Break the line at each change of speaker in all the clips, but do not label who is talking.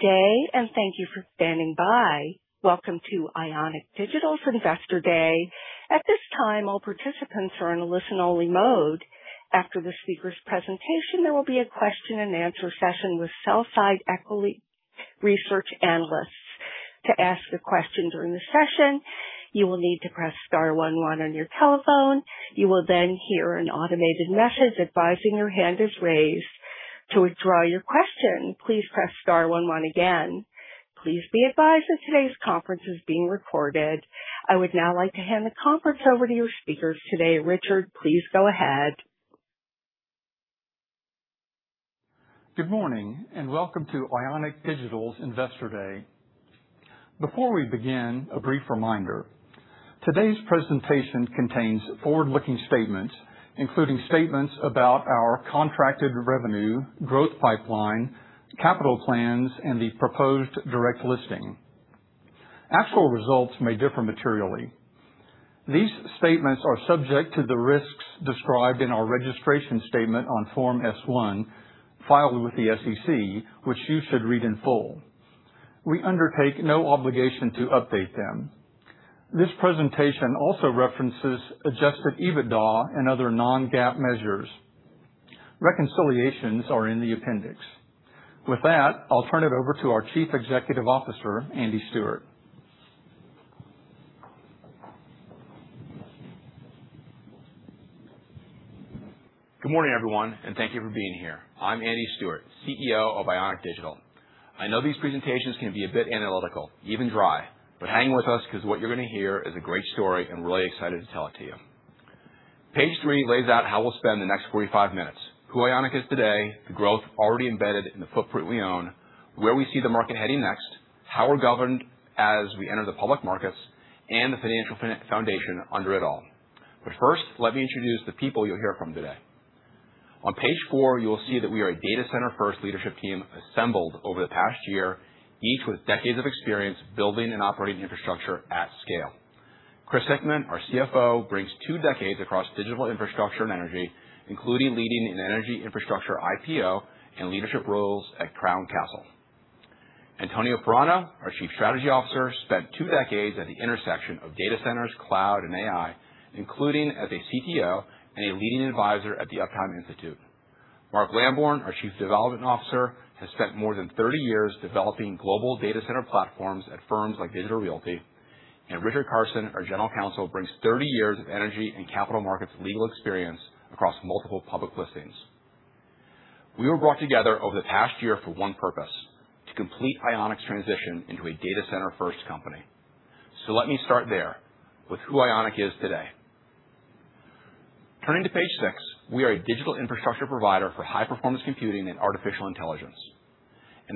Today. Thank you for standing by. Welcome to Ionic Digital's Investor Day. At this time, all participants are in listen only mode. After the speaker's presentation, there will be a question and answer session with sell side equity research analysts. To ask a question during the session, you will need to press star one one on your telephone. You will hear an automated message advising your hand is raised. To withdraw your question, please press star one one again. Please be advised that today's conference is being recorded. I would now like to hand the conference over to your speakers today. Richard, please go ahead.
Good morning. Welcome to Ionic Digital's Investor Day. Before we begin, a brief reminder. Today's presentation contains forward-looking statements, including statements about our contracted revenue, growth pipeline, capital plans, and the proposed direct listing. Actual results may differ materially. These statements are subject to the risks described in our registration statement on Form S-1 filed with the SEC, which you should read in full. We undertake no obligation to update them. This presentation also references adjusted EBITDA and other non-GAAP measures. Reconciliations are in the appendix. With that, I'll turn it over to our Chief Executive Officer, Andy Stewart.
Good morning, everyone. Thank you for being here. I'm Andy Stewart, CEO of Ionic Digital. I know these presentations can be a bit analytical, even dry. Hang with us because what you're going to hear is a great story and really excited to tell it to you. Page three lays out how we'll spend the next 45 minutes, who Ionic is today, the growth already embedded in the footprint we own, where we see the market heading next, how we're governed as we enter the public markets, and the financial foundation under it all. First, let me introduce the people you'll hear from today. On page four, you will see that we are a data center-first leadership team assembled over the past year, each with decades of experience building and operating infrastructure at scale. Chris Hickman, our CFO, brings two decades across digital infrastructure and energy, including leading an energy infrastructure IPO and leadership roles at Crown Castle. Antonio Piraino, our Chief Strategy Officer, spent two decades at the intersection of data centers, cloud and AI, including as a CTO and a leading advisor at the Uptime Institute. Mark Lambourne, our Chief Development Officer, has spent more than 30 years developing global data center platforms at firms like Digital Realty. Richard Carson, our General Counsel, brings 30 years of energy and capital markets legal experience across multiple public listings. We were brought together over the past year for one purpose: to complete Ionic's transition into a data center-first company. Let me start there, with who Ionic is today. Turning to page six. We are a digital infrastructure provider for high-performance computing and artificial intelligence,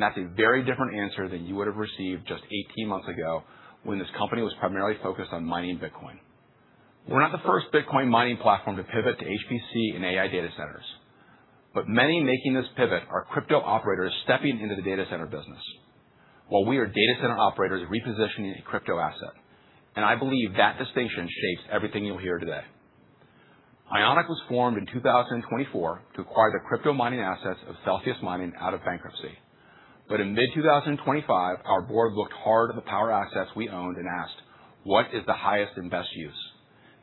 that's a very different answer than you would have received just 18 months ago when this company was primarily focused on mining Bitcoin. We're not the first Bitcoin mining platform to pivot to HPC and AI data centers. Many making this pivot are crypto operators stepping into the data center business, while we are data center operators repositioning a crypto asset, and I believe that distinction shapes everything you'll hear today. Ionic was formed in 2024 to acquire the crypto mining assets of Celsius Mining out of bankruptcy. In mid 2025, our board looked hard at the power assets we owned and asked, "What is the highest and best use?"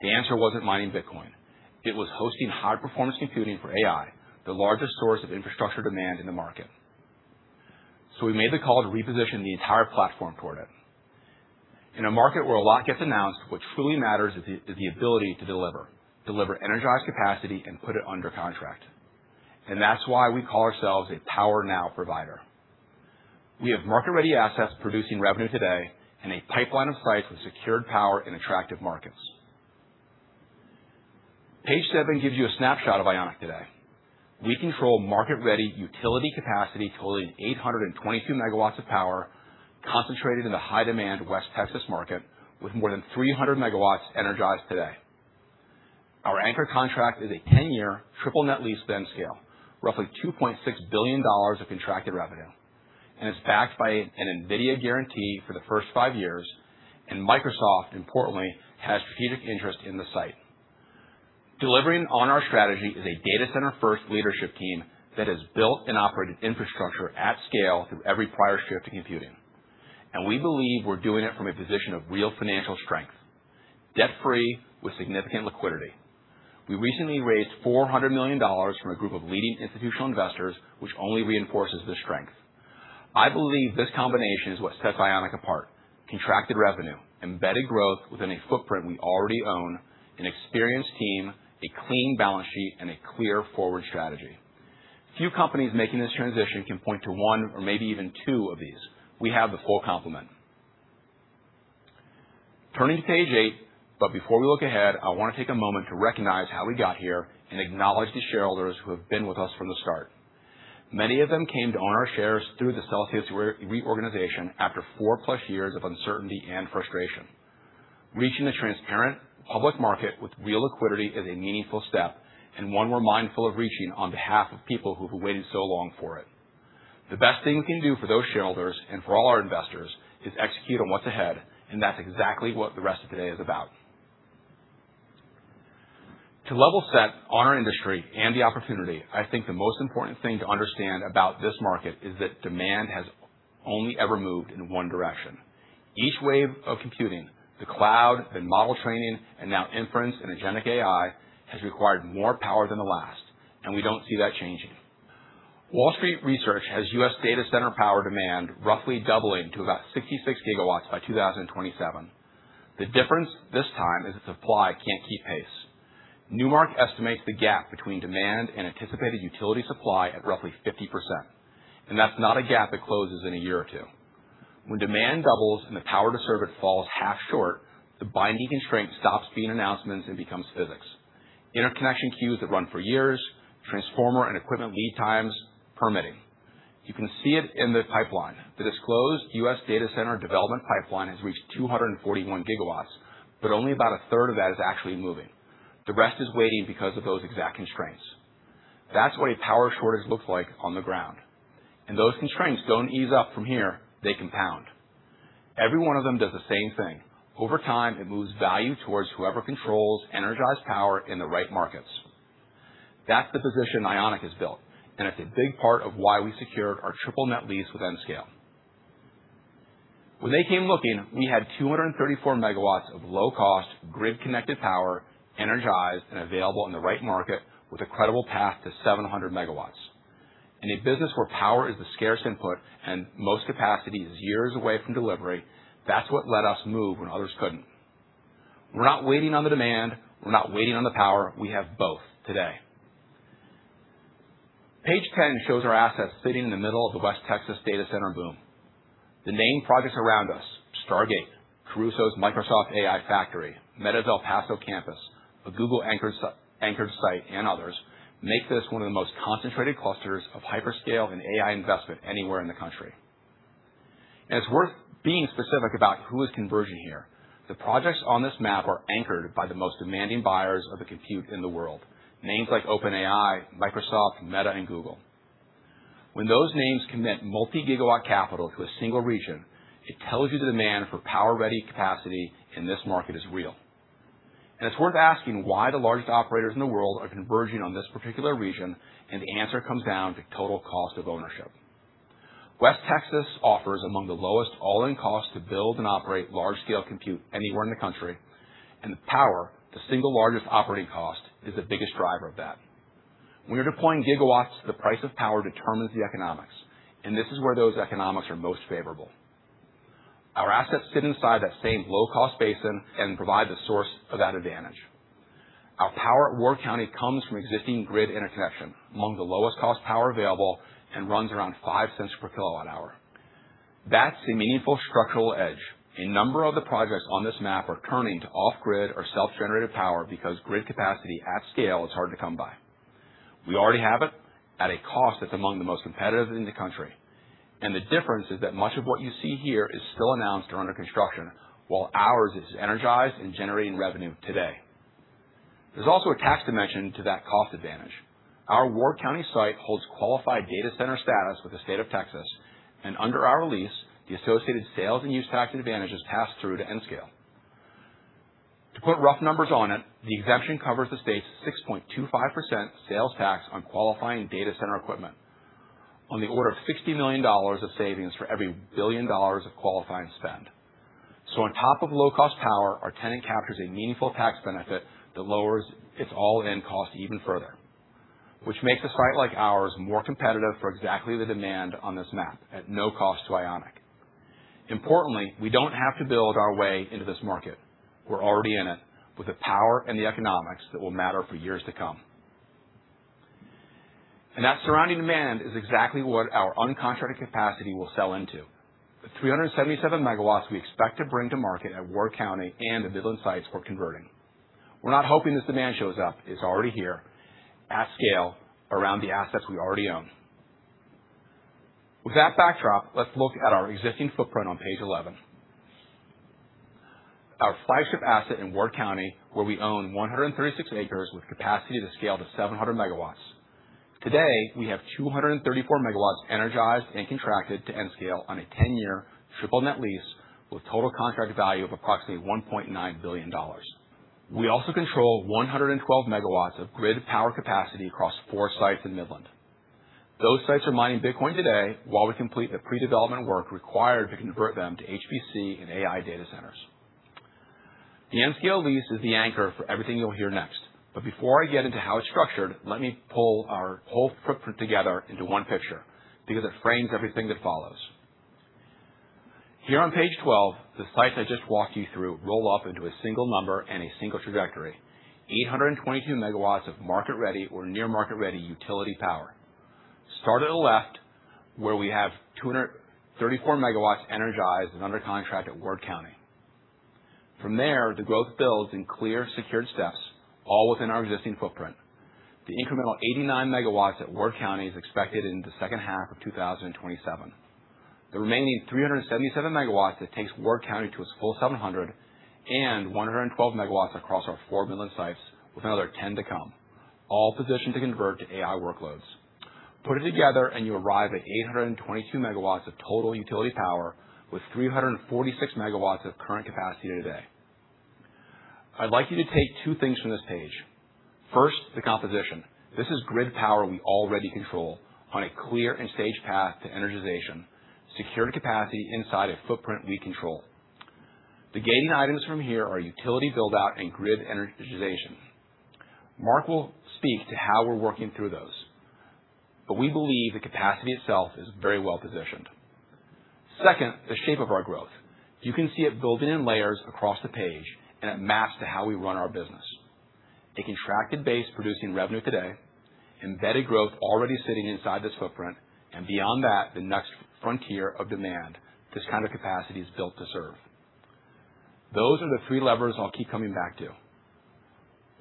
The answer wasn't mining Bitcoin. It was hosting high performance computing for AI, the largest source of infrastructure demand in the market. We made the call to reposition the entire platform for it. In a market where a lot gets announced, what truly matters is the ability to deliver. Deliver energized capacity and put it under contract. That's why we call ourselves a power now provider. We have market-ready assets producing revenue today and a pipeline of sites with secured power in attractive markets. Page seven gives you a snapshot of Ionic today. We control market-ready utility capacity totaling 822 megawatts of power, concentrated in the high-demand West Texas market with more than 300 megawatts energized today. Our anchor contract is a 10-year triple net lease scale, roughly $2.6 billion of contracted revenue, it's backed by an NVIDIA guarantee for the first five years, Microsoft, importantly, has strategic interest in the site. Delivering on our strategy is a data center-first leadership team that has built and operated infrastructure at scale through every prior shift in computing. We believe we're doing it from a position of real financial strength, debt-free with significant liquidity. We recently raised $400 million from a group of leading institutional investors, which only reinforces this strength. I believe this combination is what sets Ionic apart. Contracted revenue, embedded growth within a footprint we already own, an experienced team, a clean balance sheet, a clear forward strategy. Few companies making this transition can point to one or maybe even two of these. We have the full complement. Turning to page eight, before we look ahead, I want to take a moment to recognize how we got here and acknowledge the shareholders who have been with us from the start. Many of them came to own our shares through the Celsius reorganization after four-plus years of uncertainty and frustration. Reaching a transparent public market with real liquidity is a meaningful step, one we're mindful of reaching on behalf of people who have waited so long for it. The best thing we can do for those shareholders, for all our investors, is execute on what's ahead, that's exactly what the rest of today is about. To level set on our industry and the opportunity, I think the most important thing to understand about this market is that demand has only ever moved in one direction. Each wave of computing, the cloud, model training, now inference and agentic AI, has required more power than the last, we don't see that changing. Wall Street research has U.S. data center power demand roughly doubling to about 66 gigawatts by 2027. The difference this time is that supply can't keep pace. Newmark estimates the gap between demand and anticipated utility supply at roughly 50%, and that's not a gap that closes in a year or two. When demand doubles and the power to serve it falls half short, the binding constraint stops being announcements and becomes physics. Interconnection queues that run for years, transformer and equipment lead times, permitting. You can see it in the pipeline. The disclosed U.S. data center development pipeline has reached 241 gigawatts, but only about a third of that is actually moving. The rest is waiting because of those exact constraints. That's what a power shortage looks like on the ground. Those constraints don't ease up from here. They compound. Every one of them does the same thing. Over time, it moves value towards whoever controls energized power in the right markets. That's the position Ionic has built, and it's a big part of why we secured our triple net lease with Nscale. When they came looking, we had 234 megawatts of low-cost, grid-connected power, energized and available in the right market with a credible path to 700 megawatts. In a business where power is the scarce input and most capacity is years away from delivery, that's what let us move when others couldn't. We're not waiting on the demand. We're not waiting on the power. We have both today. Page 10 shows our assets sitting in the middle of the West Texas data center boom. The named projects around us, Stargate, Crusoe's Microsoft AI Factory, Meta's El Paso campus, a Google-anchored site, and others, make this one of the most concentrated clusters of hyperscale and AI investment anywhere in the country. It's worth being specific about who is converging here. The projects on this map are anchored by the most demanding buyers of the compute in the world, names like OpenAI, Microsoft, Meta, and Google. When those names commit multi-gigawatt capital to a single region, it tells you the demand for power-ready capacity in this market is real. It's worth asking why the largest operators in the world are converging on this particular region, and the answer comes down to total cost of ownership. West Texas offers among the lowest all-in costs to build and operate large-scale compute anywhere in the country, and the power, the single largest operating cost, is the biggest driver of that. When you're deploying gigawatts, the price of power determines the economics, and this is where those economics are most favorable. Our assets sit inside that same low-cost basin and provide the source of that advantage. Our power at Ward County comes from existing grid interconnection, among the lowest cost power available, and runs around $0.05 per kilowatt hour. That's a meaningful structural edge. A number of the projects on this map are turning to off-grid or self-generated power because grid capacity at scale is hard to come by. We already have it at a cost that's among the most competitive in the country. The difference is that much of what you see here is still announced or under construction while ours is energized and generating revenue today. There's also a tax dimension to that cost advantage. Our Ward County site holds qualified data center status with the state of Texas, and under our lease, the associated sales and use tax advantage is passed through to Nscale. To put rough numbers on it, the exemption covers the state's 6.25% sales tax on qualifying data center equipment. On the order of $60 million of savings for every billion dollars of qualifying spend. On top of low-cost power, our tenant captures a meaningful tax benefit that lowers its all-in cost even further, which makes a site like ours more competitive for exactly the demand on this map at no cost to Ionic. Importantly, we don't have to build our way into this market. We're already in it with the power and the economics that will matter for years to come. That surrounding demand is exactly what our uncontracted capacity will sell into. The 377 megawatts we expect to bring to market at Ward County and the Midland sites we're converting. We're not hoping this demand shows up. It's already here at scale around the assets we already own. With that backdrop, let's look at our existing footprint on page 11. Our flagship asset in Ward County, where we own 136 acres with capacity to scale to 700 megawatts. Today, we have 234 megawatts energized and contracted to Nscale on a 10-year triple net lease with total contract value of approximately $1.9 billion. We also control 112 megawatts of grid power capacity across four sites in Midland. Those sites are mining Bitcoin today while we complete the pre-development work required to convert them to HPC and AI data centers. The Nscale lease is the anchor for everything you'll hear next. Before I get into how it's structured, let me pull our whole footprint together into one picture because it frames everything that follows. Here on page 12, the sites I just walked you through roll up into a single number and a single trajectory. 822 megawatts of market-ready or near market-ready utility power. Start at the left, where we have 234 megawatts energized and under contract at Ward County. From there, the growth builds in clear secured steps, all within our existing footprint. The incremental 89 megawatts at Ward County is expected in the second half of 2027. The remaining 377 megawatts that takes Ward County to its full 700 megawatts and 112 megawatts across our four Midland sites, with another 10 to come, all positioned to convert to AI workloads. You arrive at 822 megawatts of total utility power with 346 megawatts of current capacity today. I'd like you to take two things from this page. First, the composition. This is grid power we already control on a clear and staged path to energization, secured capacity inside a footprint we control. The gating items from here are utility build-out and grid energization. Mark will speak to how we're working through those, but we believe the capacity itself is very well-positioned. Second, the shape of our growth. You can see it building in layers across the page. It maps to how we run our business. A contracted base producing revenue today, embedded growth already sitting inside this footprint, beyond that, the next frontier of demand this kind of capacity is built to serve. Those are the three levers I'll keep coming back to.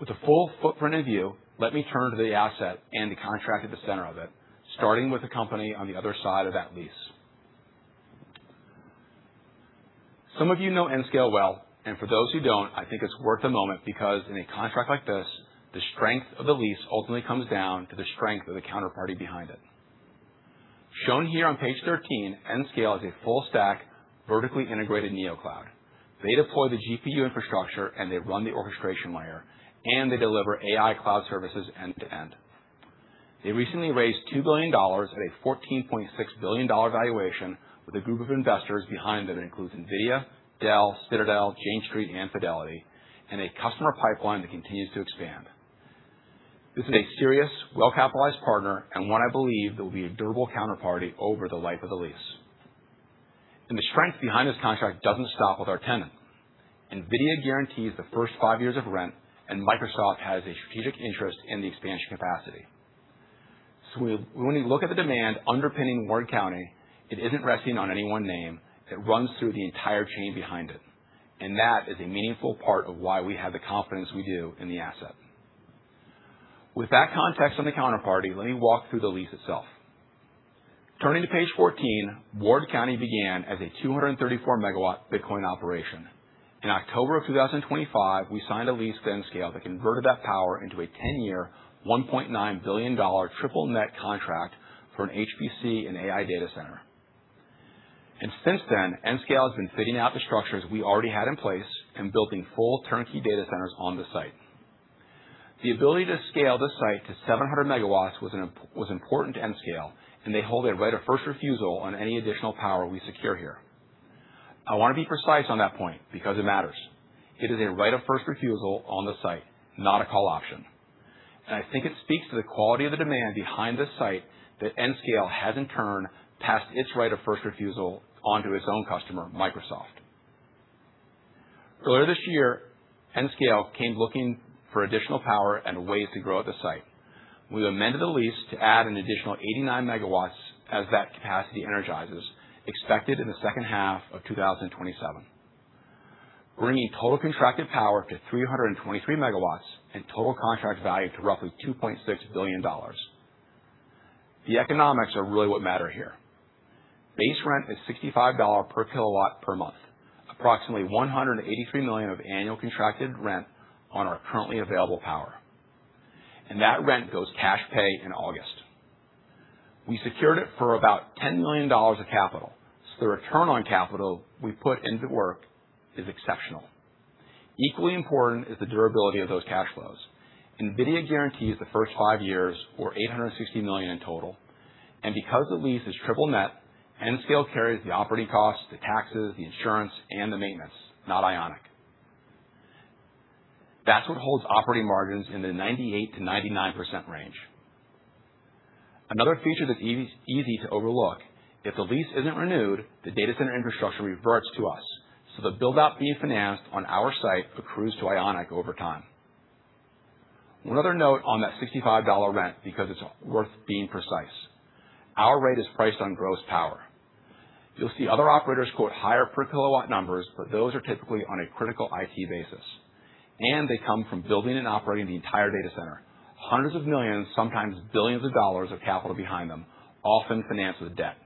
With the full footprint in view, let me turn to the asset and the contract at the center of it, starting with the company on the other side of that lease. Some of you know Nscale well. For those who don't, I think it's worth a moment because in a contract like this, the strength of the lease ultimately comes down to the strength of the counterparty behind it. Shown here on page 13, Nscale is a full-stack, vertically integrated Neocloud. They deploy the GPU infrastructure. They run the orchestration layer. They deliver AI cloud services end-to-end. They recently raised $2 billion at a $14.6 billion valuation with a group of investors behind it includes NVIDIA, Dell, Citadel, Jane Street, and Fidelity. A customer pipeline that continues to expand. This is a serious, well-capitalized partner and one I believe that will be a durable counterparty over the life of the lease. The strength behind this contract doesn't stop with our tenant. NVIDIA guarantees the first five years of rent. Microsoft has a strategic interest in the expansion capacity. When we look at the demand underpinning Ward County, it isn't resting on any one name. It runs through the entire chain behind it. That is a meaningful part of why we have the confidence we do in the asset. With that context on the counterparty, let me walk through the lease itself. Turning to page 14, Ward County began as a 234-megawatt Bitcoin operation. In October of 2025, we signed a lease to Nscale that converted that power into a 10-year, $1.9 billion triple net contract for an HPC and AI data center. Since then, Nscale has been fitting out the structures we already had in place and building full turnkey data centers on the site. The ability to scale this site to 700 megawatts was important to Nscale. They hold a right of first refusal on any additional power we secure here. I want to be precise on that point because it matters. It is a right of first refusal on the site, not a call option. I think it speaks to the quality of the demand behind this site that Nscale has in turn passed its right of first refusal onto its own customer, Microsoft. Earlier this year, Nscale came looking for additional power and ways to grow the site. We amended the lease to add an additional 89 megawatts as that capacity energizes, expected in the second half of 2027, bringing total contracted power to 323 megawatts and total contract value to roughly $2.6 billion. The economics are really what matter here. Base rent is $65 per kilowatt per month, approximately $183 million of annual contracted rent on our currently available power. That rent goes cash pay in August. We secured it for about $10 million of capital. The return on capital we put into work is exceptional. Equally important is the durability of those cash flows. NVIDIA guarantees the first five years or $860 million in total. Because the lease is triple net, Nscale carries the operating costs, the taxes, the insurance, and the maintenance, not Ionic. That's what holds operating margins in the 98%-99% range. Another feature that's easy to overlook, if the lease isn't renewed, the data center infrastructure reverts to us, so the build-out being financed on our site accrues to Ionic over time. One other note on that $65 rent because it's worth being precise. Our rate is priced on gross power. You'll see other operators quote higher per kilowatt numbers, but those are typically on a critical IT basis. They come from building and operating the entire data center. Hundreds of millions, sometimes billions of dollars of capital behind them, often financed with debt.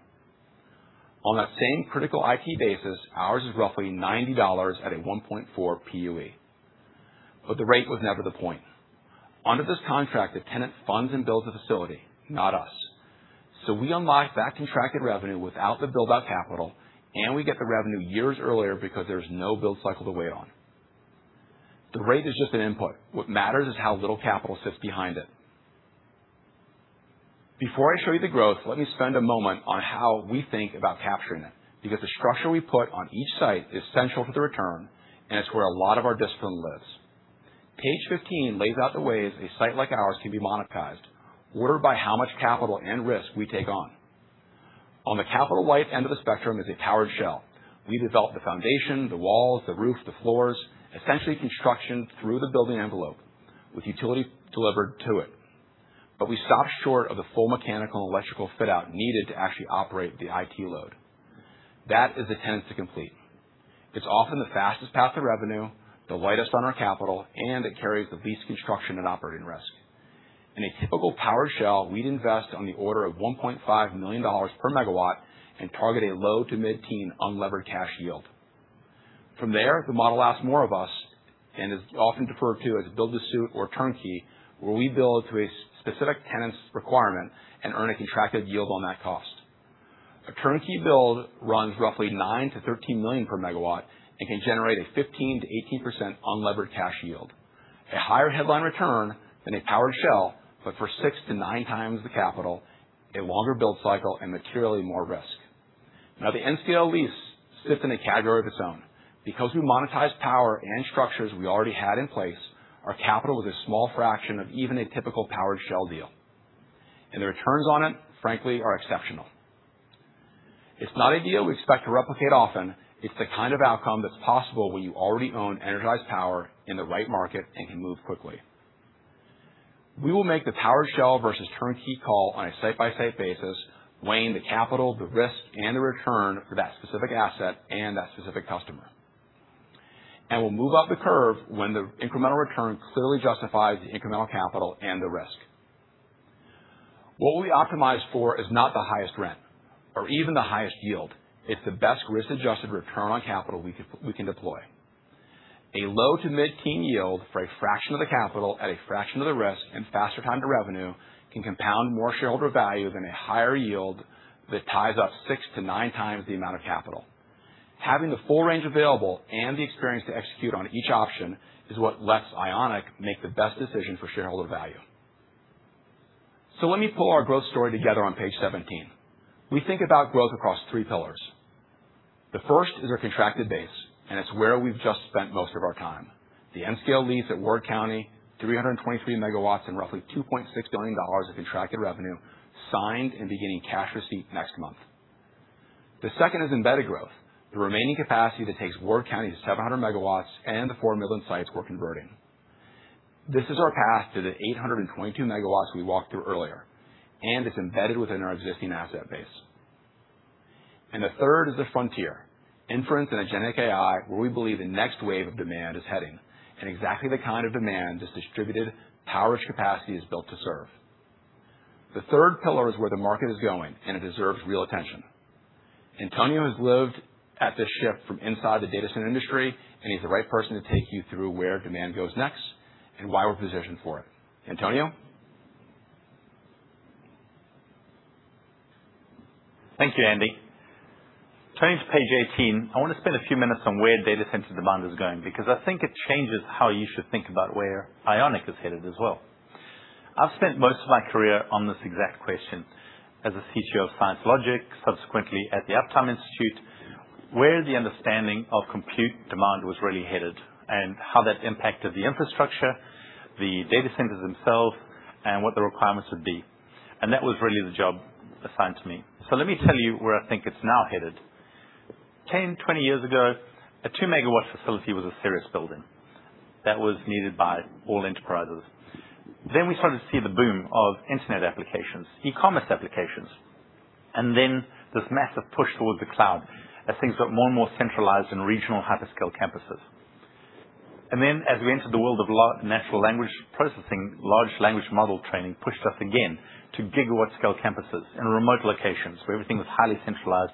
On that same critical IT basis, ours is roughly $90 at a 1.4 PUE. The rate was never the point. Under this contract, the tenant funds and builds the facility, not us. We unlock that contracted revenue without the build-out capital, and we get the revenue years earlier because there's no build cycle to wait on. The rate is just an input. What matters is how little capital sits behind it. Before I show you the growth, let me spend a moment on how we think about capturing it, because the structure we put on each site is central to the return, and it's where a lot of our discipline lives. Page 15 lays out the ways a site like ours can be monetized, ordered by how much capital and risk we take on. On the capital light end of the spectrum is a powered shell. We develop the foundation, the walls, the roof, the floors, essentially construction through the building envelope with utility delivered to it. We stop short of the full mechanical electrical fit-out needed to actually operate the IT load. That is the tenant to complete. It's often the fastest path to revenue, the lightest on our capital, and it carries the least construction and operating risk. In a typical powered shell, we'd invest on the order of $1.5 million per MW and target a low to mid-teen unlevered cash yield. From there, the model asks more of us and is often deferred to as build to suit or turnkey, where we build to a specific tenant's requirement and earn a contracted yield on that cost. A turnkey build runs roughly $9 million-$13 million per MW and can generate a 15%-18% unlevered cash yield. A higher headline return than a powered shell, but for six to nine times the capital, a longer build cycle, and materially more risk. The Nscale lease sits in a category of its own. Because we monetize power and structures we already had in place, our capital was a small fraction of even a typical powered shell deal. The returns on it, frankly, are exceptional. It's not a deal we expect to replicate often. It's the kind of outcome that's possible when you already own energized power in the right market and can move quickly. We will make the powered shell versus turnkey call on a site-by-site basis, weighing the capital, the risk, and the return for that specific asset and that specific customer. We'll move up the curve when the incremental return clearly justifies the incremental capital and the risk. What we optimize for is not the highest rent or even the highest yield. It's the best risk-adjusted return on capital we can deploy. A low to mid-teen yield for a fraction of the capital at a fraction of the risk and faster time to revenue can compound more shareholder value than a higher yield that ties up 6 to 9 times the amount of capital. Having the full range available and the experience to execute on each option is what lets Ionic make the best decision for shareholder value. Let me pull our growth story together on page 17. We think about growth across three pillars. The first is our contracted base, it's where we've just spent most of our time. The Nscale lease at Ward County, 323 megawatts and roughly $2.6 billion of contracted revenue signed and beginning cash receipt next month. The second is embedded growth, the remaining capacity that takes Ward County to 700 megawatts and the four Midland sites we're converting. This is our path to the 822 megawatts we walked through earlier, it's embedded within our existing asset base. The third is the frontier, inference and agentic AI, where we believe the next wave of demand is heading, exactly the kind of demand this distributed powers capacity is built to serve. The third pillar is where the market is going, it deserves real attention. Antonio has lived at the ship from inside the data center industry, he's the right person to take you through where demand goes next and why we're positioned for it. Antonio?
Thank you, Andy. Turning to page 18, I want to spend a few minutes on where data center demand is going, because I think it changes how you should think about where Ionic is headed as well. I've spent most of my career on this exact question as a CTO of ScienceLogic, subsequently at the Uptime Institute, where the understanding of compute demand was really headed and how that impacted the infrastructure, the data centers themselves, what the requirements would be. That was really the job assigned to me. Let me tell you where I think it's now headed. 10, 20 years ago, a two-megawatt facility was a serious building that was needed by all enterprises. We started to see the boom of internet applications, e-commerce applications, this massive push towards the cloud as things got more and more centralized in regional hyperscale campuses. As we entered the world of natural language processing, large language model training pushed us again to gigawatt scale campuses in remote locations where everything was highly centralized.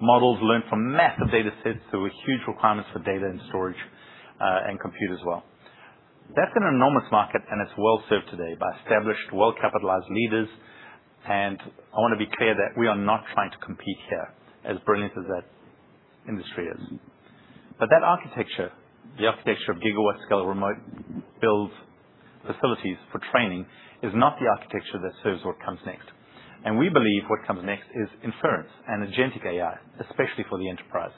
Models learned from massive data sets. There were huge requirements for data and storage, compute as well. That's an enormous market, it's well-served today by established, well-capitalized leaders. I want to be clear that we are not trying to compete here, as brilliant as that industry is. That architecture, the architecture of gigawatt scale remote build facilities for training, is not the architecture that serves what comes next. We believe what comes next is inference and agentic AI, especially for the enterprise.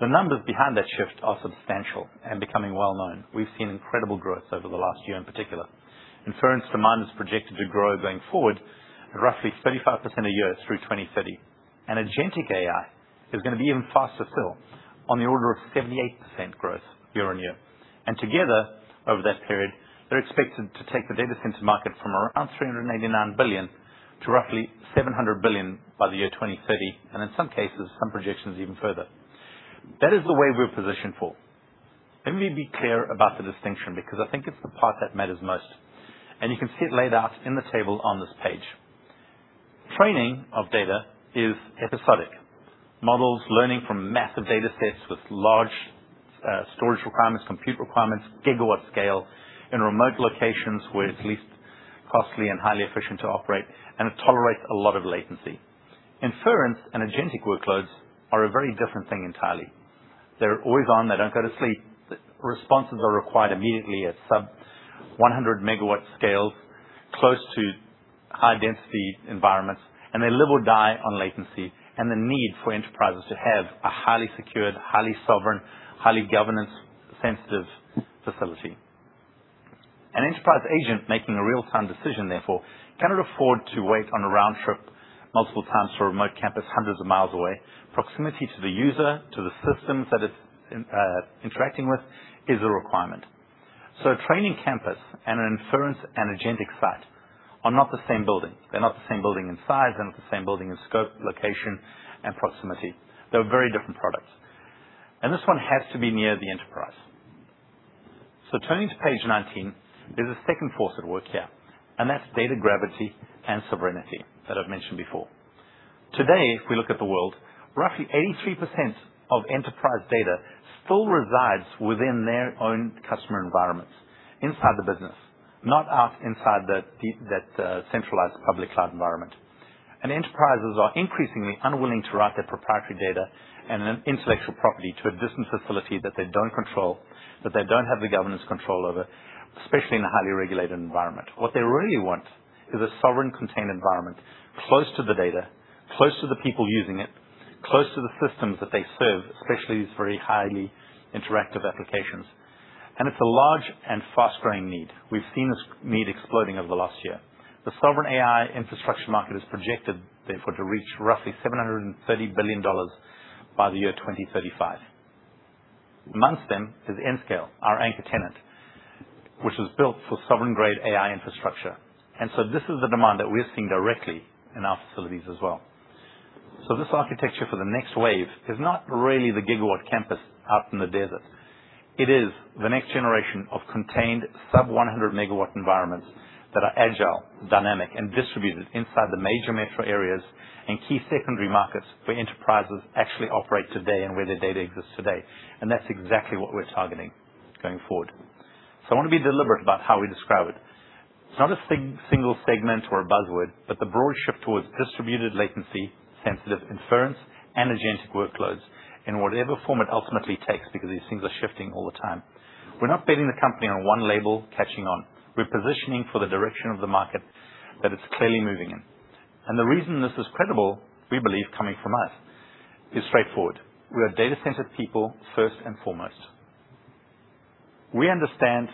The numbers behind that shift are substantial and becoming well-known. We've seen incredible growth over the last year in particular. Inference demand is projected to grow going forward roughly 35% a year through 2030. agentic AI is going to be even faster still on the order of 78% growth year on year. Together, over that period, they're expected to take the data center market from around $389 billion to roughly $700 billion by the year 2030, and in some cases, some projections even further. That is the wave we're positioned for. Let me be clear about the distinction, because I think it's the part that matters most, and you can see it laid out in the table on this page. Training of data is episodic. Models learning from massive data sets with large storage requirements, compute requirements, gigawatt scale in remote locations where it's least costly and highly efficient to operate, and it tolerates a lot of latency. Inference and agentic workloads are a very different thing entirely. They're always on. They don't go to sleep. Responses are required immediately at sub-100 megawatt scales, close to high density environments, and they live or die on latency and the need for enterprises to have a highly secured, highly sovereign, highly governance sensitive facility. An enterprise agent making a real-time decision, therefore, cannot afford to wait on a round trip multiple times to a remote campus hundreds of miles away. Proximity to the user, to the systems that it's interacting with is a requirement. A training campus and an inference and agentic site are not the same building. They're not the same building in size. They're not the same building in scope, location, and proximity. They're very different products. This one has to be near the enterprise. Turning to page 19, there's a second force at work here, and that's data gravity and sovereignty that I've mentioned before. Today, if we look at the world, roughly 83% of enterprise data still resides within their own customer environments, inside the business, not out inside that centralized public cloud environment. Enterprises are increasingly unwilling to write their proprietary data and intellectual property to a distant facility that they don't control, that they don't have the governance control over, especially in a highly regulated environment. What they really want is a sovereign contained environment close to the data, close to the people using it, close to the systems that they serve, especially these very highly interactive applications. It's a large and fast-growing need. We've seen this need exploding over the last year. The sovereign AI infrastructure market is projected, therefore, to reach roughly $730 billion by the year 2035. Amongst them is Nscale, our anchor tenant, which was built for sovereign-grade AI infrastructure. This is the demand that we're seeing directly in our facilities as well. This architecture for the next wave is not really the gigawatt campus out in the desert. It is the next generation of contained sub 100 megawatt environments that are agile, dynamic, and distributed inside the major metro areas and key secondary markets where enterprises actually operate today and where their data exists today. That's exactly what we're targeting going forward. I want to be deliberate about how we describe it. It's not a single segment or a buzzword, but the broad shift towards distributed latency, sensitive inference, and agentic workloads in whatever form it ultimately takes, because these things are shifting all the time. We're not betting the company on one label catching on. We're positioning for the direction of the market that it's clearly moving in. The reason this is credible, we believe coming from us, is straightforward. We are data center people first and foremost. We understand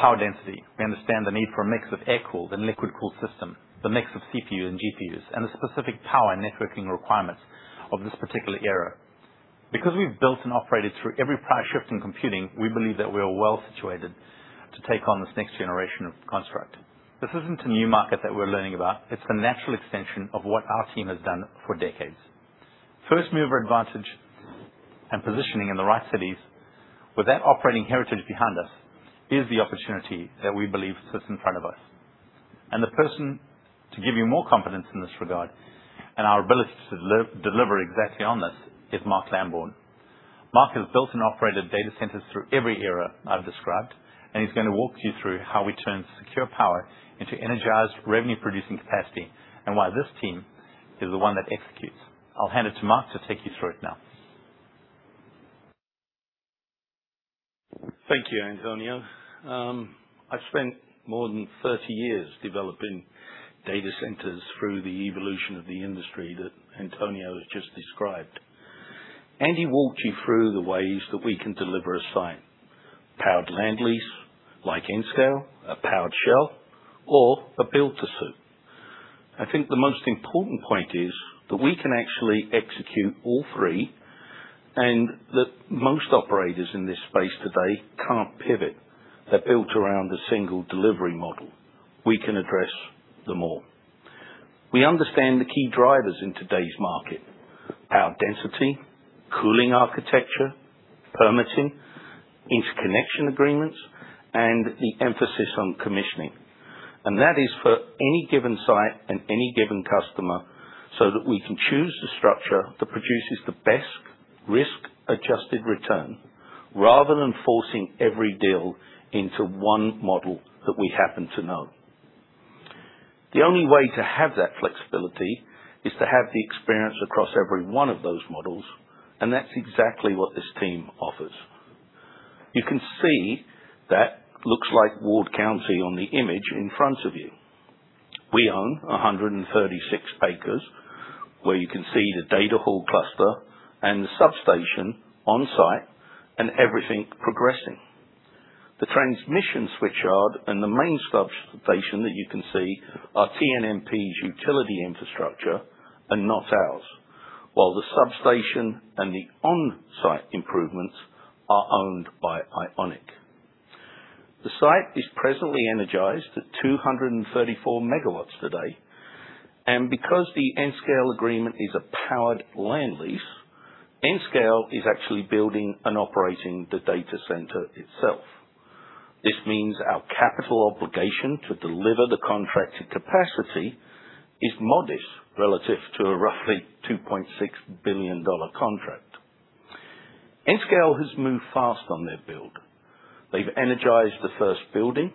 power density. We understand the need for a mix of air-cooled and liquid-cooled system, the mix of CPU and GPUs, and the specific power and networking requirements of this particular era. Because we've built and operated through every power shift in computing, we believe that we are well situated to take on this next generation of construct. This isn't a new market that we're learning about. It's the natural extension of what our team has done for decades. First-mover advantage and positioning in the right cities with that operating heritage behind us is the opportunity that we believe sits in front of us. The person to give you more confidence in this regard and our ability to deliver exactly on this is Mark Lambourne. Mark has built and operated data centers through every era I've described, and he's going to walk you through how we turn secure power into energized, revenue-producing capacity and why this team is the one that executes. I'll hand it to Mark to take you through it now.
Thank you, Antonio. I've spent more than 30 years developing data centers through the evolution of the industry that Antonio has just described. He walked you through the ways that we can deliver a site. Powered land lease like Nscale, a powered shell, or a build to suit. I think the most important point is that we can actually execute all three and that most operators in this space today can't pivot. They're built around a single delivery model. We can address them all. We understand the key drivers in today's market, power density, cooling architecture, permitting, interconnection agreements, and the emphasis on commissioning. That is for any given site and any given customer so that we can choose the structure that produces the best risk-adjusted return rather than forcing every deal into one model that we happen to know. The only way to have that flexibility is to have the experience across every one of those models, and that's exactly what this team offers. You can see that looks like Ward County on the image in front of you. We own 136 acres where you can see the data hall cluster and the substation on site and everything progressing. The transmission switch yard and the main substation that you can see are TNMP's utility infrastructure and not ours. While the substation and the on-site improvements are owned by Ionic Digital. The site is presently energized at 234 MW today. Because the Nscale agreement is a powered land lease, Nscale is actually building and operating the data center itself. This means our capital obligation to deliver the contracted capacity is modest relative to a roughly $2.6 billion contract. Nscale has moved fast on their build. They've energized the first building,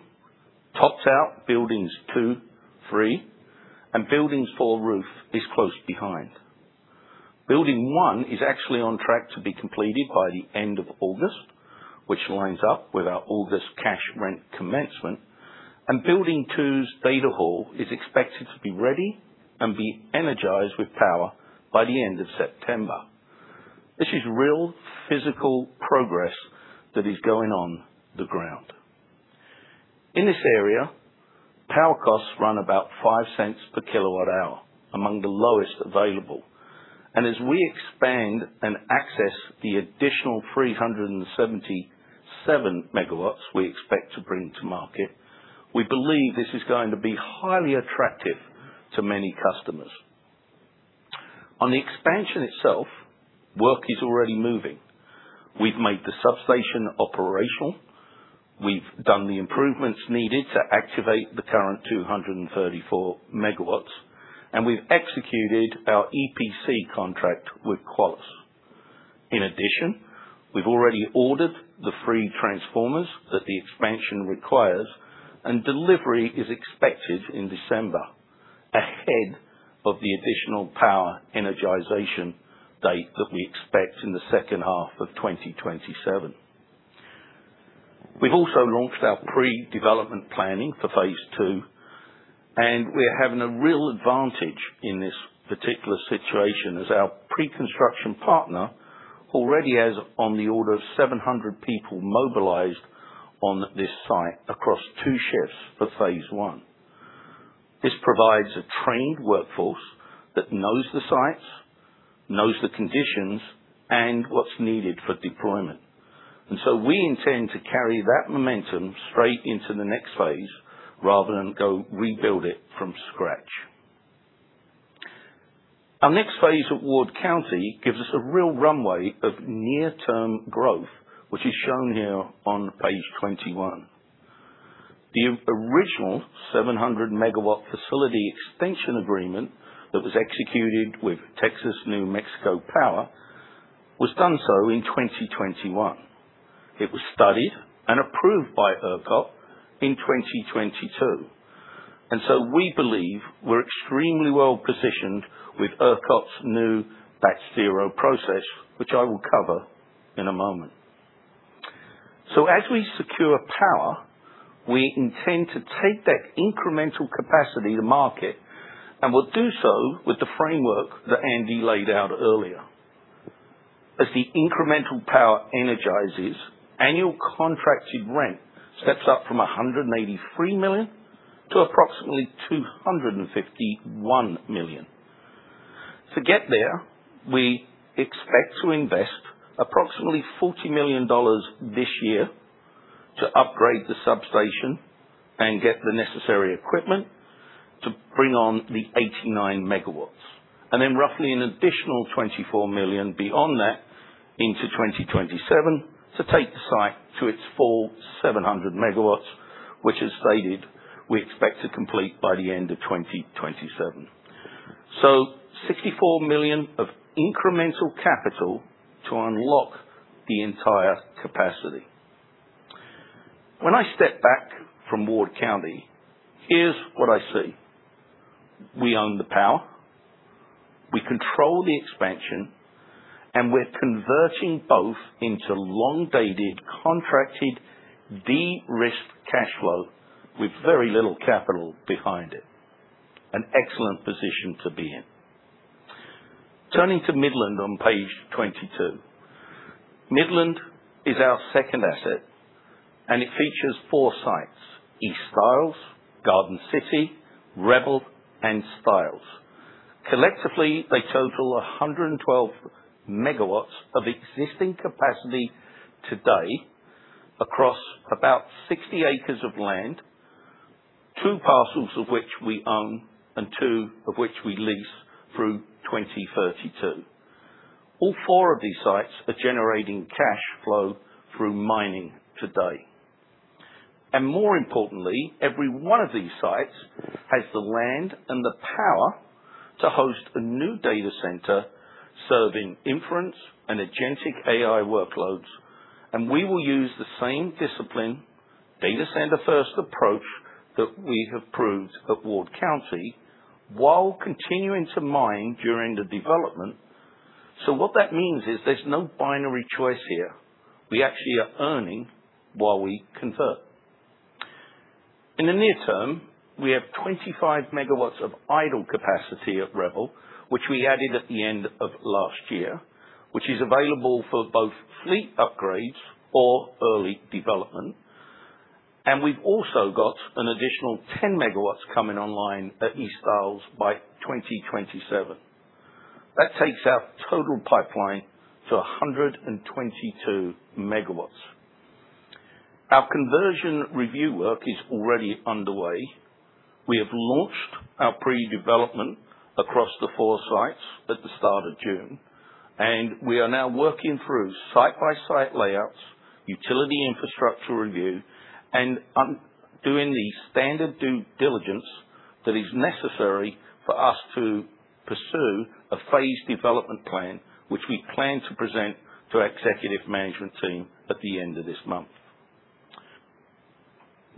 topped out buildings two, three, and buildings four roof is close behind. Building one is actually on track to be completed by the end of August, which lines up with our August cash rent commencement, and building two's data hall is expected to be ready and be energized with power by the end of September. This is real physical progress that is going on the ground. In this area, power costs run about $0.05 per kilowatt hour, among the lowest available. As we expand and access the additional 377 MW we expect to bring to market, we believe this is going to be highly attractive to many customers. On the expansion itself, work is already moving. We've made the substation operational, we've done the improvements needed to activate the current 234 MW, and we've executed our EPC contract with Quanta. In addition, we've already ordered the three transformers that the expansion requires, and delivery is expected in December, ahead of the additional power energization date that we expect in the second half of 2027. We've also launched our pre-development planning for phase two, and we are having a real advantage in this particular situation as our pre-construction partner already has on the order of 700 people mobilized on this site across two shifts for phase one. This provides a trained workforce that knows the sites, knows the conditions, and what's needed for deployment. We intend to carry that momentum straight into the next phase rather than go rebuild it from scratch. Our next phase at Ward County gives us a real runway of near-term growth, which is shown here on page 21. The original 700 MW facility extension agreement that was executed with Texas-New Mexico Power was done so in 2021. It was studied and approved by ERCOT in 2022. We believe we're extremely well-positioned with ERCOT's new Batch Zero process, which I will cover in a moment. As we secure power, we intend to take that incremental capacity to market and will do so with the framework that Andy laid out earlier. As the incremental power energizes, annual contracted rent steps up from $183 million to approximately $251 million. To get there, we expect to invest approximately $40 million this year to upgrade the substation and get the necessary equipment to bring on the 89 MW, and then roughly an additional $24 million beyond that into 2027 to take the site to its full 700 MW, which as stated, we expect to complete by the end of 2027. $64 million of incremental capital to unlock the entire capacity. When I step back from Ward County, here's what I see. We own the power, we control the expansion, and we're converting both into long-dated, contracted de-risked cash flow with very little capital behind it. An excellent position to be in. Turning to Midland on page 22. Midland is our second asset, and it features four sites, East Stiles, Garden City, Rebel, and Stiles. Collectively, they total 112 megawatts of existing capacity today across about 60 acres of land, two parcels of which we own and two of which we lease through 2032. All four of these sites are generating cash flow through mining today. More importantly, every one of these sites has the land and the power to host a new data center serving inference and agentic AI workloads. We will use the same discipline data center first approach that we have proved at Ward County while continuing to mine during the development. What that means is there's no binary choice here. We actually are earning while we convert. In the near term, we have 25 megawatts of idle capacity at Rebel, which we added at the end of last year, which is available for both fleet upgrades or early development. We've also got an additional 10 megawatts coming online at East Stiles by 2027. That takes our total pipeline to 122 megawatts. Our conversion review work is already underway. We have launched our pre-development across the four sites at the start of June, and we are now working through site-by-site layouts, utility infrastructure review, and doing the standard due diligence that is necessary for us to pursue a phased development plan, which we plan to present to our executive management team at the end of this month.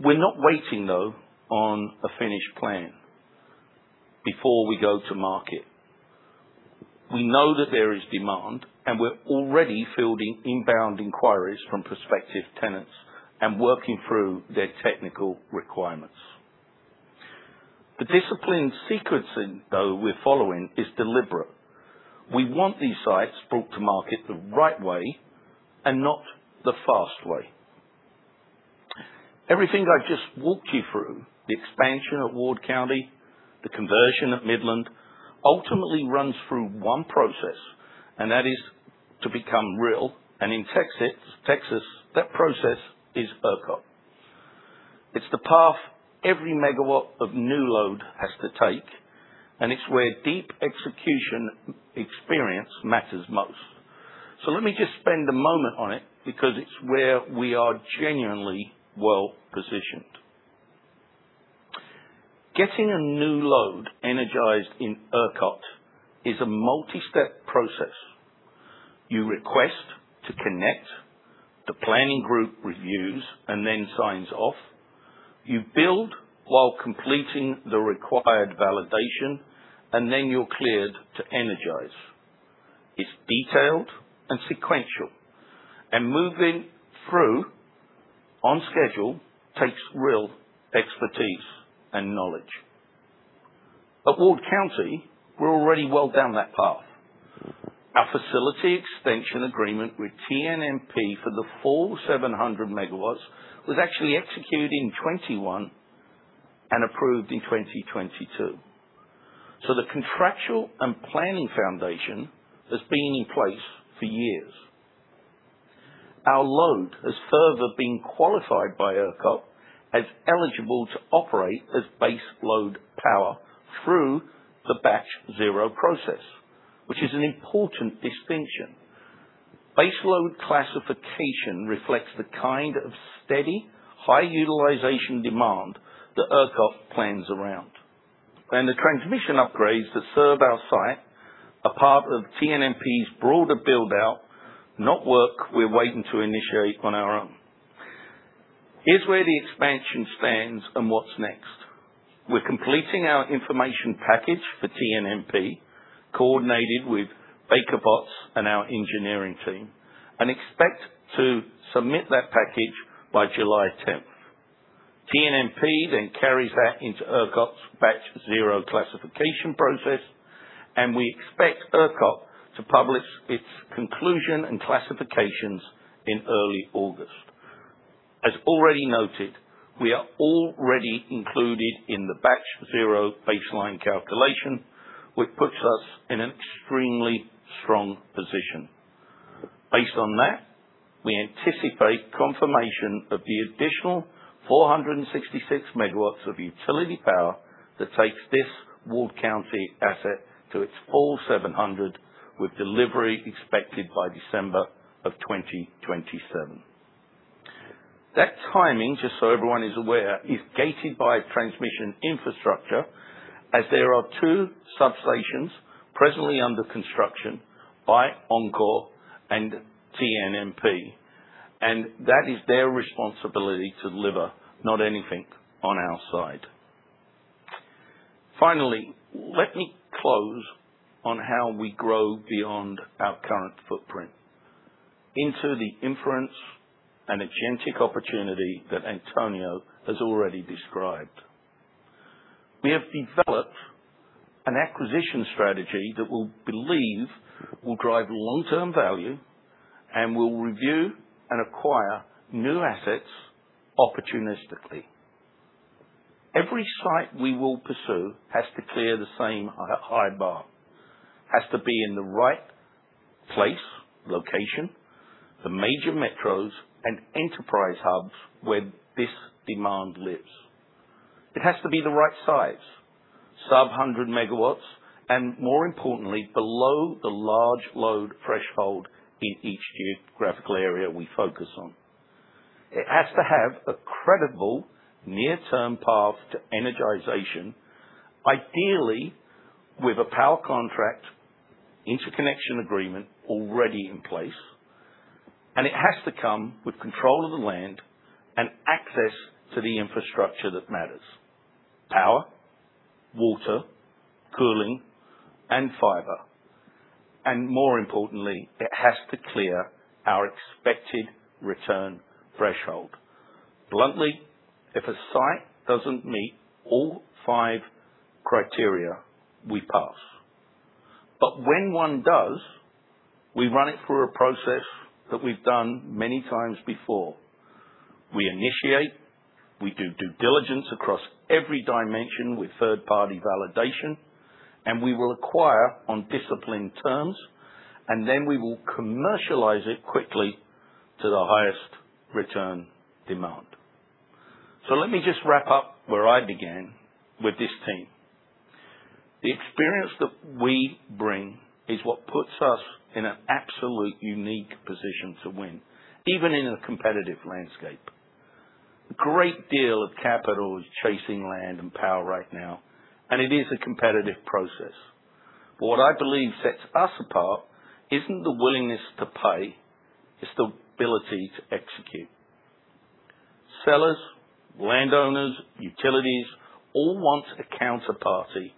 We're not waiting, though, on a finished plan before we go to market. We know that there is demand, and we're already fielding inbound inquiries from prospective tenants and working through their technical requirements. The disciplined sequencing, though, we're following is deliberate. We want these sites brought to market the right way and not the fast way. Everything I've just walked you through, the expansion at Ward County, the conversion at Midland, ultimately runs through one process, and that is to become real. In Texas, that process is ERCOT. The path every megawatt of new load has to take, and it's where deep execution experience matters most. Let me just spend a moment on it because it's where we are genuinely well-positioned. Getting a new load energized in ERCOT is a multi-step process. You request to connect, the planning group reviews and then signs off. You build while completing the required validation, and then you're cleared to energize. It's detailed and sequential, and moving through on schedule takes real expertise and knowledge. At Ward County, we're already well down that path. Our facility extension agreement with TNMP for the full 700 megawatts was actually executed in 2021 and approved in 2022. The contractual and planning foundation has been in place for years. Our load has further been qualified by ERCOT as eligible to operate as baseload power through the Batch Zero process, which is an important distinction. Baseload classification reflects the kind of steady, high utilization demand that ERCOT plans around. The transmission upgrades that serve our site are part of TNMP's broader build-out, not work we're waiting to initiate on our own. Here's where the expansion stands and what's next. We're completing our information package for TNMP, coordinated with Baker Botts and our engineering team, and expect to submit that package by July 10th. TNMP then carries that into ERCOT's Batch Zero classification process, and we expect ERCOT to publish its conclusion and classifications in early August. As already noted, we are already included in the Batch Zero baseline calculation, which puts us in an extremely strong position. Based on that, we anticipate confirmation of the additional 466 MW of utility power that takes this Ward County asset to its full 700, with delivery expected by December 2027. That timing, just so everyone is aware, is gated by transmission infrastructure as there are two substations presently under construction by Oncor and TNMP. That is their responsibility to deliver, not anything on our side. Finally, let me close on how we grow beyond our current footprint into the inference and agentic opportunity that Antonio has already described. We have developed an acquisition strategy that we believe will drive long-term value and will review and acquire new assets opportunistically. Every site we will pursue has to clear the same high bar. It has to be in the right place, location, the major metros and enterprise hubs where this demand lives. It has to be the right size, sub 100 MW, and more importantly, below the large load threshold in each geographical area we focus on. It has to have a credible near-term path to energization, ideally with a power contract interconnection agreement already in place. It has to come with control of the land and access to the infrastructure that matters: power, water, cooling, and fiber. More importantly, it has to clear our expected return threshold. Bluntly, if a site doesn't meet all five criteria, we pass. When one does, we run it through a process that we've done many times before. We initiate, we do due diligence across every dimension with third-party validation. We will acquire on disciplined terms. Then we will commercialize it quickly to the highest return demand. Let me just wrap up where I began with this team. The experience that we bring is what puts us in an absolute unique position to win, even in a competitive landscape. A great deal of capital is chasing land and power right now, and it is a competitive process. What I believe sets us apart isn't the willingness to pay, it's the ability to execute. Sellers, landowners, utilities, all want a counterparty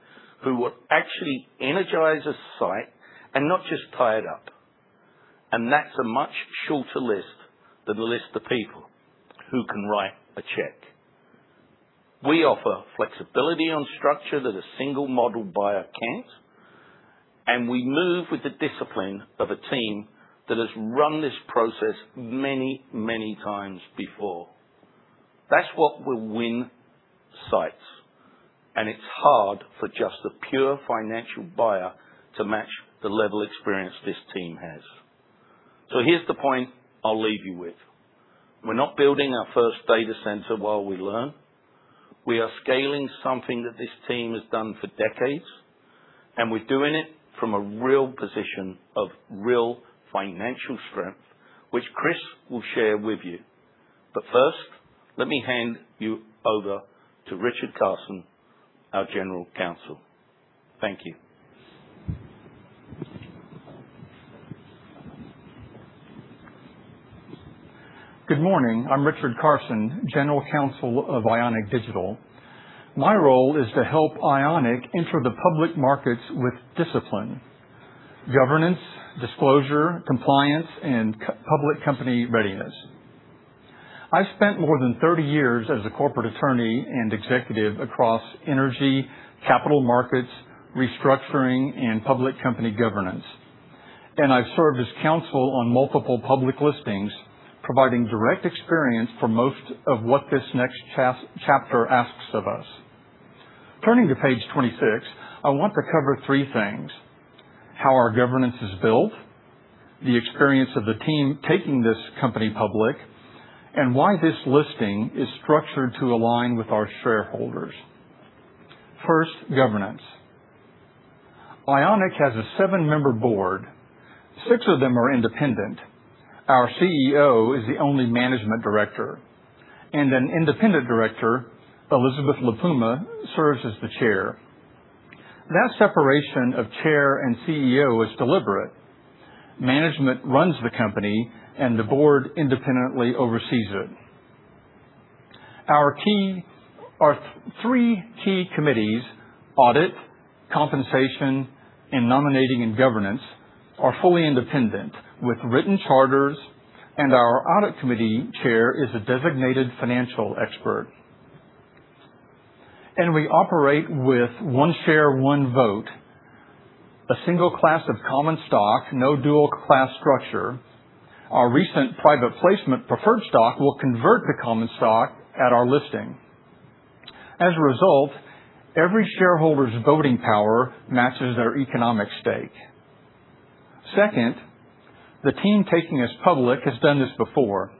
who will actually energize a site and not just tie it up. That's a much shorter list than the list of people who can write a check. We offer flexibility on structure that a single module buyer can't, and we move with the discipline of a team that has run this process many, many times before. That's what will win sites, and it's hard for just a pure financial buyer to match the level of experience this team has. Here's the point I'll leave you with. We're not building our first data center while we learn. We are scaling something that this team has done for decades, and we're doing it from a real position of real financial strength, which Chris will share with you. First, let me hand you over to Richard Carson, our general counsel. Thank you.
Good morning. I'm Richard Carson, general counsel of Ionic Digital. My role is to help Ionic enter the public markets with discipline, governance, disclosure, compliance, and public company readiness. I've spent more than 30 years as a corporate attorney and executive across energy, capital markets, restructuring, and public company governance. I've served as counsel on multiple public listings, providing direct experience for most of what this next chapter asks of us. Turning to page 26, I want to cover three things: how our governance is built, the experience of the team taking this company public, and why this listing is structured to align with our shareholders. First, governance. Ionic has a seven-member board. Six of them are independent. Our CEO is the only management director, an independent director, Elizabeth LaPuma, serves as the chair. That separation of chair and CEO is deliberate. Management runs the company, and the board independently oversees it. Our three key committees, audit, compensation, and nominating and governance, are fully independent with written charters, and our audit committee chair is a designated financial expert. We operate with one share, one vote. A single class of common stock, no dual class structure. Our recent private placement preferred stock will convert to common stock at our listing. As a result, every shareholder's voting power matches their economic stake. Second, the team taking us public has done this before.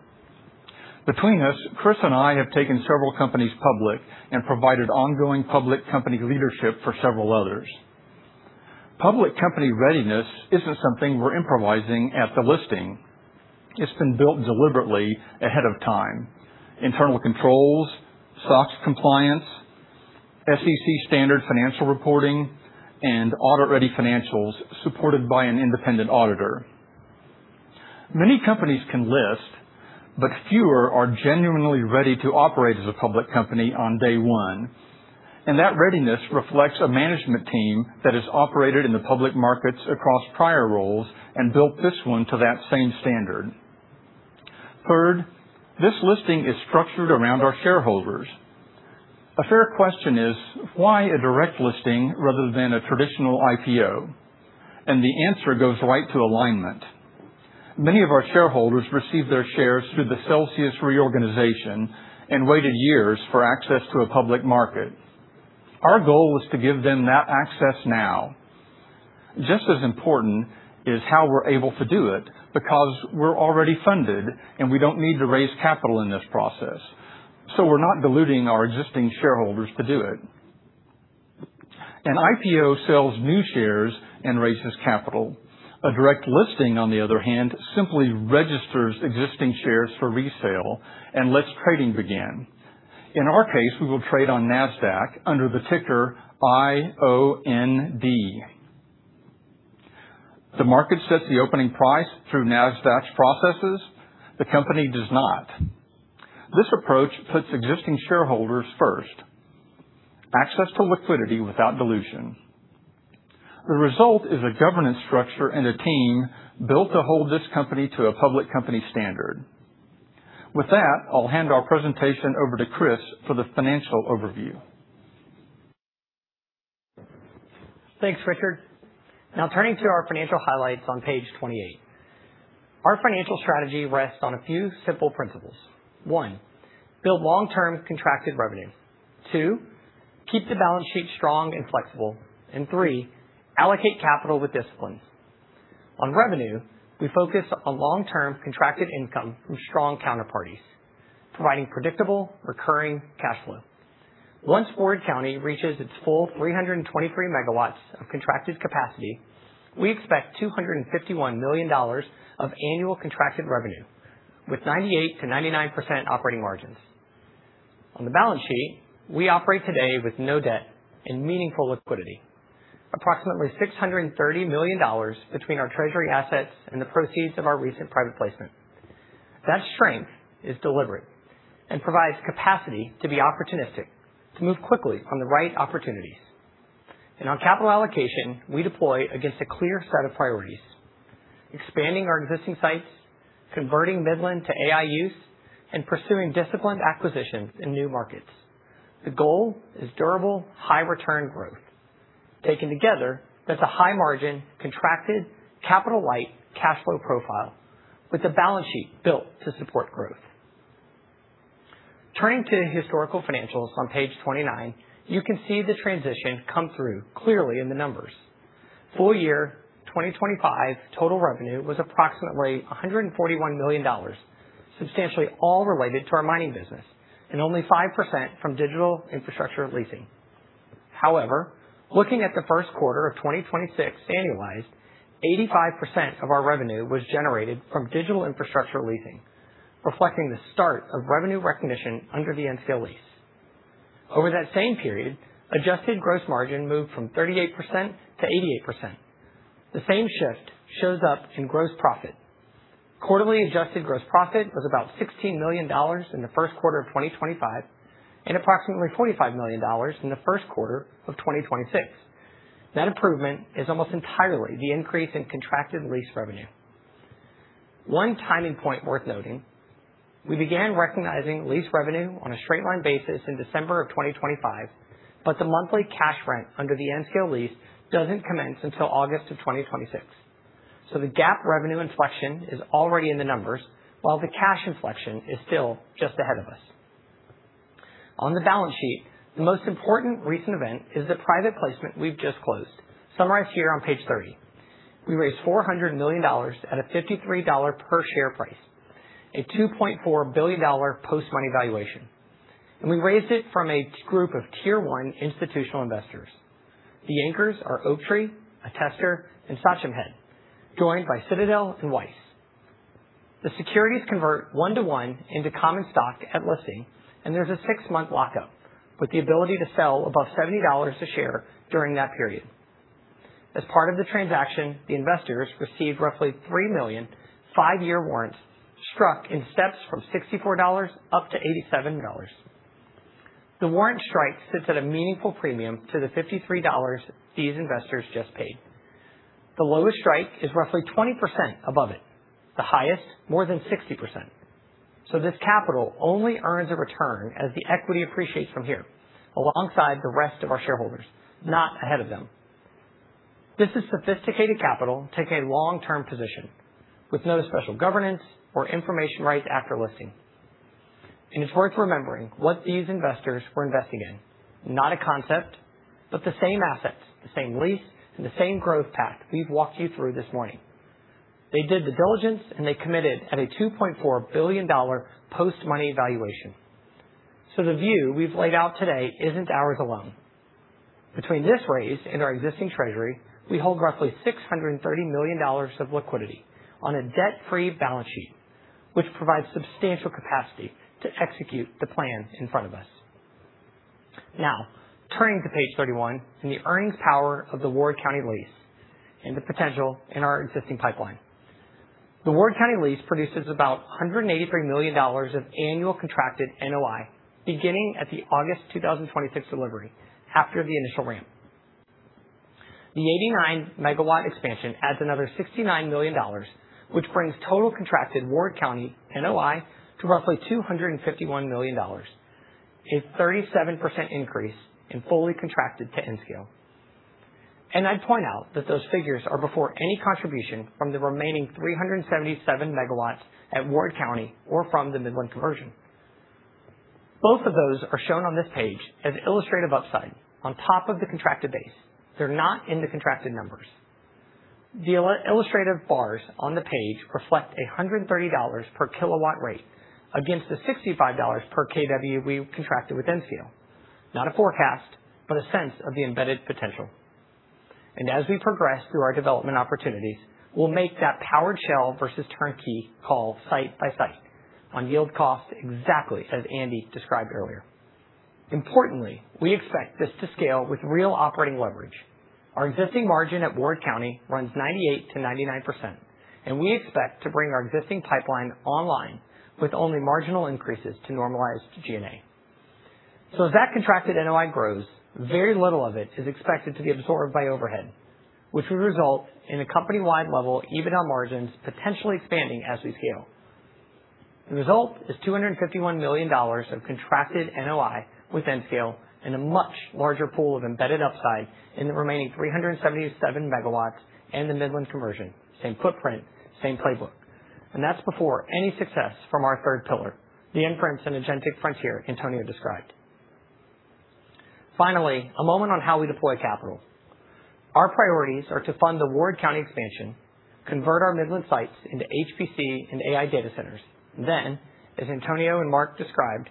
Between us, Chris and I have taken several companies public and provided ongoing public company leadership for several others. Public company readiness isn't something we're improvising at the listing. It's been built deliberately ahead of time. Internal controls, SOX compliance, SEC standard financial reporting, and audit-ready financials supported by an independent auditor. Many companies can list, but fewer are genuinely ready to operate as a public company on day one. That readiness reflects a management team that has operated in the public markets across prior roles and built this one to that same standard. Third, this listing is structured around our shareholders. A fair question is: why a direct listing rather than a traditional IPO? The answer goes right to alignment. Many of our shareholders received their shares through the Celsius reorganization and waited years for access to a public market. Our goal was to give them that access now. Just as important is how we're able to do it, because we're already funded, and we don't need to raise capital in this process, so we're not diluting our existing shareholders to do it. An IPO sells new shares and raises capital. A direct listing, on the other hand, simply registers existing shares for resale and lets trading begin. In our case, we will trade on Nasdaq under the ticker IOND. The market sets the opening price through Nasdaq's processes. The company does not. This approach puts existing shareholders first. Access to liquidity without dilution. The result is a governance structure and a team built to hold this company to a public company standard. With that, I'll hand our presentation over to Chris for the financial overview.
Thanks, Richard. Turning to our financial highlights on page 28. Our financial strategy rests on a few simple principles. One, build long-term contracted revenue. Two, keep the balance sheet strong and flexible. Three, allocate capital with discipline. On revenue, we focus on long-term contracted income from strong counterparties, providing predictable recurring cash flow. Once Ward County reaches its full 323 megawatts of contracted capacity, we expect $251 million of annual contracted revenue with 98%-99% operating margins. On the balance sheet, we operate today with no debt and meaningful liquidity. Approximately $630 million between our treasury assets and the proceeds of our recent private placement. That strength is deliberate and provides capacity to be opportunistic, to move quickly on the right opportunities. On capital allocation, we deploy against a clear set of priorities. Expanding our existing sites, converting Midland to AI use, and pursuing disciplined acquisitions in new markets. The goal is durable, high-return growth. Taken together, that's a high-margin, contracted, capital-light cash flow profile with a balance sheet built to support growth. Turning to historical financials on page 29, you can see the transition come through clearly in the numbers. Full year 2025 total revenue was approximately $141 million, substantially all related to our mining business, and only 5% from digital infrastructure leasing. However, looking at the first quarter of 2026 annualized, 85% of our revenue was generated from digital infrastructure leasing, reflecting the start of revenue recognition under the Nscale lease. Over that same period, adjusted gross margin moved from 38% to 88%. The same shift shows up in gross profit. Quarterly adjusted gross profit was about $16 million in the first quarter of 2025, and approximately $25 million in the first quarter of 2026. That improvement is almost entirely the increase in contracted lease revenue. One timing point worth noting, we began recognizing lease revenue on a straight line basis in December of 2025, but the monthly cash rent under the Nscale lease doesn't commence until August of 2026. The GAAP revenue inflection is already in the numbers, while the cash inflection is still just ahead of us. On the balance sheet, the most important recent event is the private placement we've just closed, summarized here on page 30. We raised $400 million at a $53 per share price, a $2.4 billion post-money valuation. We raised it from a group of tier-one institutional investors. The anchors are Oaktree, Attestor, and Sachem Head, joined by Citadel and Weiss. The securities convert one-to-one into common stock at listing, and there's a six-month lockup, with the ability to sell above $70 a share during that period. As part of the transaction, the investors received roughly three million five-year warrants struck in steps from $64 up to $87. The warrant strike sits at a meaningful premium to the $53 these investors just paid. The lowest strike is roughly 20% above it, the highest more than 60%. This capital only earns a return as the equity appreciates from here, alongside the rest of our shareholders, not ahead of them. This is sophisticated capital taking a long-term position with no special governance or information rights after listing. It's worth remembering what these investors were investing in. Not a concept, but the same assets, the same lease, and the same growth path we've walked you through this morning. They did due diligence, and they committed at a $2.4 billion post-money valuation. The view we've laid out today isn't ours alone. Between this raise and our existing treasury, we hold roughly $630 million of liquidity on a debt-free balance sheet, which provides substantial capacity to execute the plan in front of us. Now, turning to page 31 and the earnings power of the Ward County lease and the potential in our existing pipeline. The Ward County lease produces about $183 million of annual contracted NOI beginning at the August 2026 delivery after the initial ramp. The 89-megawatt expansion adds another $69 million, which brings total contracted Ward County NOI to roughly $251 million, a 37% increase in fully contracted to Nscale. I'd point out that those figures are before any contribution from the remaining 377 megawatts at Ward County or from the Midland conversion. Both of those are shown on this page as illustrative upside on top of the contracted base. They're not in the contracted numbers. The illustrative bars on the page reflect $130 per kilowatt rate against the $65 per kW we contracted with Nscale. Not a forecast, but a sense of the embedded potential. As we progress through our development opportunities, we'll make that powered shell versus turnkey call site by site on yield cost exactly as Andy described earlier. Importantly, we expect this to scale with real operating leverage. Our existing margin at Ward County runs 98%-99%, and we expect to bring our existing pipeline online with only marginal increases to normalized G&A. As that contracted NOI grows, very little of it is expected to be absorbed by overhead, which would result in a company-wide level EBITDA margins potentially expanding as we scale. The result is $251 million of contracted NOI with Nscale and a much larger pool of embedded upside in the remaining 377 megawatts and the Midland conversion. Same footprint, same playbook. That's before any success from our third pillar, the inference and agentic frontier Antonio described. Finally, a moment on how we deploy capital. Our priorities are to fund the Ward County expansion, convert our Midland sites into HPC and AI data centers, then, as Antonio and Mark described,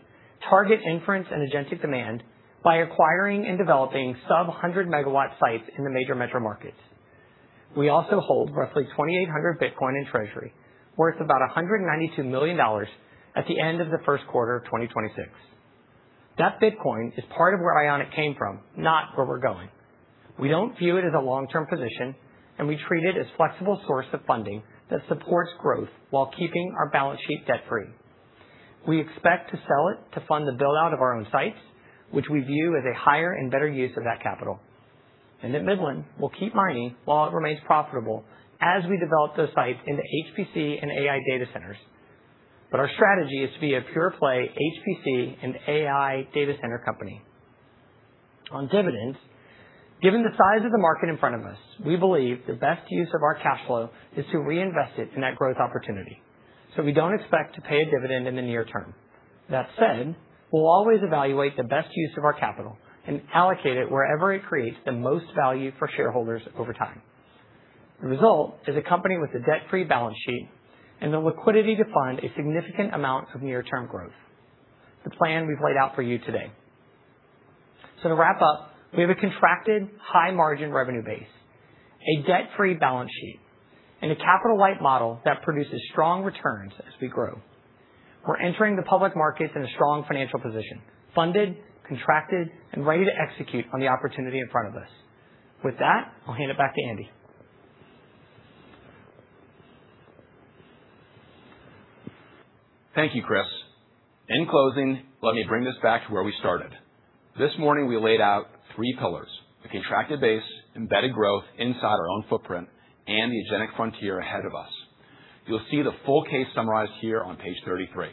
target inference and agentic demand by acquiring and developing sub-100 megawatt sites in the major metro markets. We also hold roughly 2,800 Bitcoin in Treasury, worth about $192 million at the end of the first quarter of 2026. That Bitcoin is part of where Ionic came from, not where we're going. We don't view it as a long-term position, and we treat it as flexible source of funding that supports growth while keeping our balance sheet debt-free. We expect to sell it to fund the build-out of our own sites, which we view as a higher and better use of that capital. At Midland, we'll keep mining while it remains profitable as we develop those sites into HPC and AI data centers. Our strategy is to be a pure play HPC and AI data center company. On dividends, given the size of the market in front of us, we believe the best use of our cash flow is to reinvest it in that growth opportunity, so we don't expect to pay a dividend in the near term. That said, we'll always evaluate the best use of our capital and allocate it wherever it creates the most value for shareholders over time. The result is a company with a debt-free balance sheet and the liquidity to fund a significant amount of near-term growth. The plan we've laid out for you today. To wrap up, we have a contracted high margin revenue base, a debt-free balance sheet, and a capital-light model that produces strong returns as we grow. We're entering the public markets in a strong financial position, funded, contracted, and ready to execute on the opportunity in front of us. With that, I'll hand it back to Andy.
Thank you, Chris. In closing, let me bring this back to where we started. This morning, we laid out three pillars, a contracted base, embedded growth inside our own footprint, and the agentic frontier ahead of us. You'll see the full case summarized here on page 33.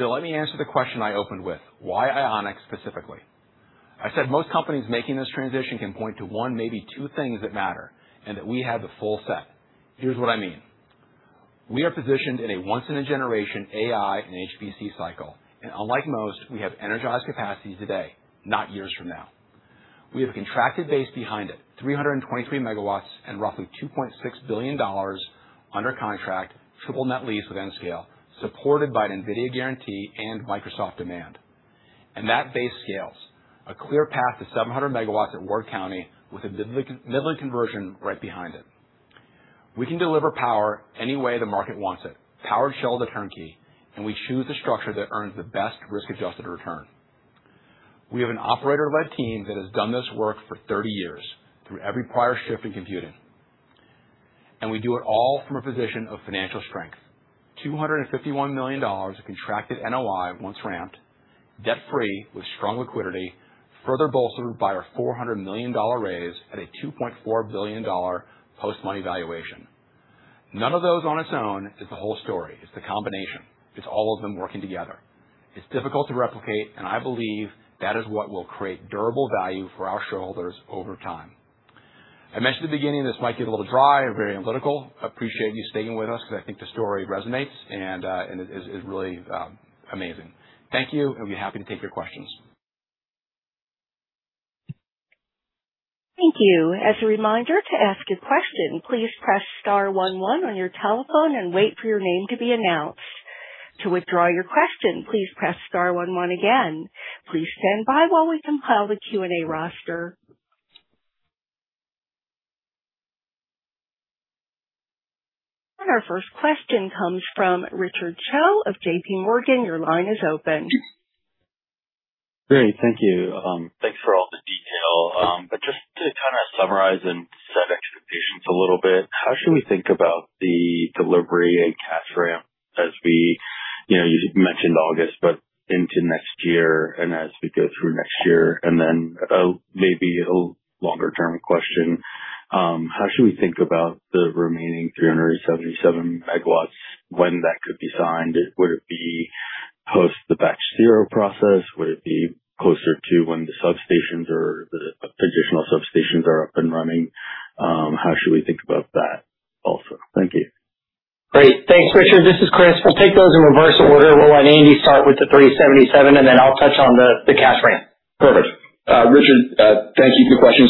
Let me answer the question I opened with. Why Ionic specifically? I said most companies making this transition can point to one, maybe two, things that matter, and that we have the full set. Here's what I mean. We are positioned in a once in a generation AI and HPC cycle, and unlike most, we have energized capacity today, not years from now. We have a contracted base behind it, 323 megawatts and roughly $2.6 billion under contract, triple net lease with Nscale, supported by an NVIDIA guarantee and Microsoft demand. That base scales a clear path to 700 megawatts at Ward County with a Midland conversion right behind it. We can deliver power any way the market wants it. Powered shell to turnkey. We choose a structure that earns the best risk-adjusted return. We have an operator-led team that has done this work for 30 years through every prior shift in computing. We do it all from a position of financial strength. $251 million of contracted NOI once ramped, debt-free with strong liquidity, further bolstered by our $400 million raise at a $2.4 billion post-money valuation. None of those on its own is the whole story. It's the combination. It's all of them working together. It's difficult to replicate, and I believe that is what will create durable value for our shareholders over time. I mentioned at the beginning this might get a little dry or very analytical. I appreciate you staying with us because I think the story resonates, and it is really amazing. Thank you. I'll be happy to take your questions.
Thank you. As a reminder, to ask a question, please press *11 on your telephone and wait for your name to be announced. To withdraw your question, please press *11 again. Please stand by while we compile the Q&A roster. Our first question comes from Richard Choe of J.P. Morgan. Your line is open.
Great. Thank you. Thanks for all the detail. Just to kind of summarize and set expectations a little bit, how should we think about the delivery and cash ramp? You mentioned August, but into next year and as we go through next year, then maybe a little longer-term question, how should we think about the remaining 377 megawatts when that could be signed? Would it be post the Batch Zero process? Would it be closer to when the substations or the additional substations are up and running? How should we think about that also? Thank you.
Great. Thanks, Richard. This is Chris. We'll take those in reverse order. We'll let Andy start with the 377, then I'll touch on the cash ramp.
Perfect. Richard, thank you for your question.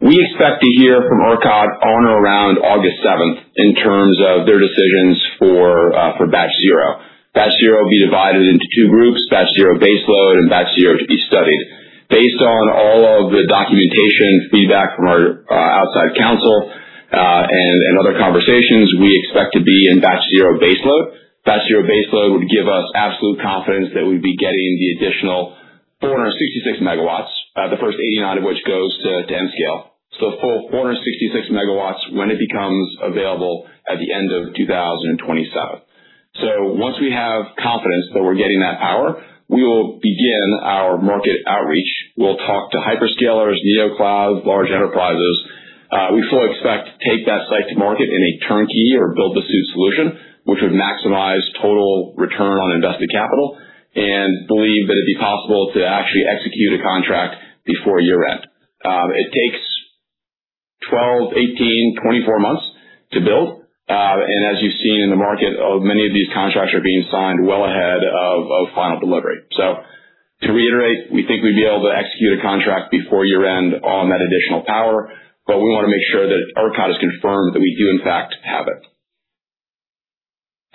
We expect to hear from ERCOT on or around August 7th in terms of their decisions for Batch Zero. Batch Zero will be divided into two groups, batch zero baseload and batch zero to be studied. Based on all of the documentation feedback from our outside counsel, and other conversations, we expect to be in batch zero baseload. Batch zero baseload would give us absolute confidence that we'd be getting the additional 466 megawatts, the first 89 of which goes to Nscale. A full 466 megawatts when it becomes available at the end of 2027. Once we have confidence that we're getting that power, we will begin our market outreach. We'll talk to hyperscalers, Neoclouds, large enterprises. We fully expect to take that site to market in a turnkey or build-to-suit solution, which would maximize total return on invested capital and believe that it'd be possible to actually execute a contract before year-end. It takes 12, 18, 24 months to build. As you've seen in the market, many of these contracts are being signed well ahead of final delivery. To reiterate, we think we'd be able to execute a contract before year-end on that additional power, but we want to make sure that ERCOT has confirmed that we do in fact have it.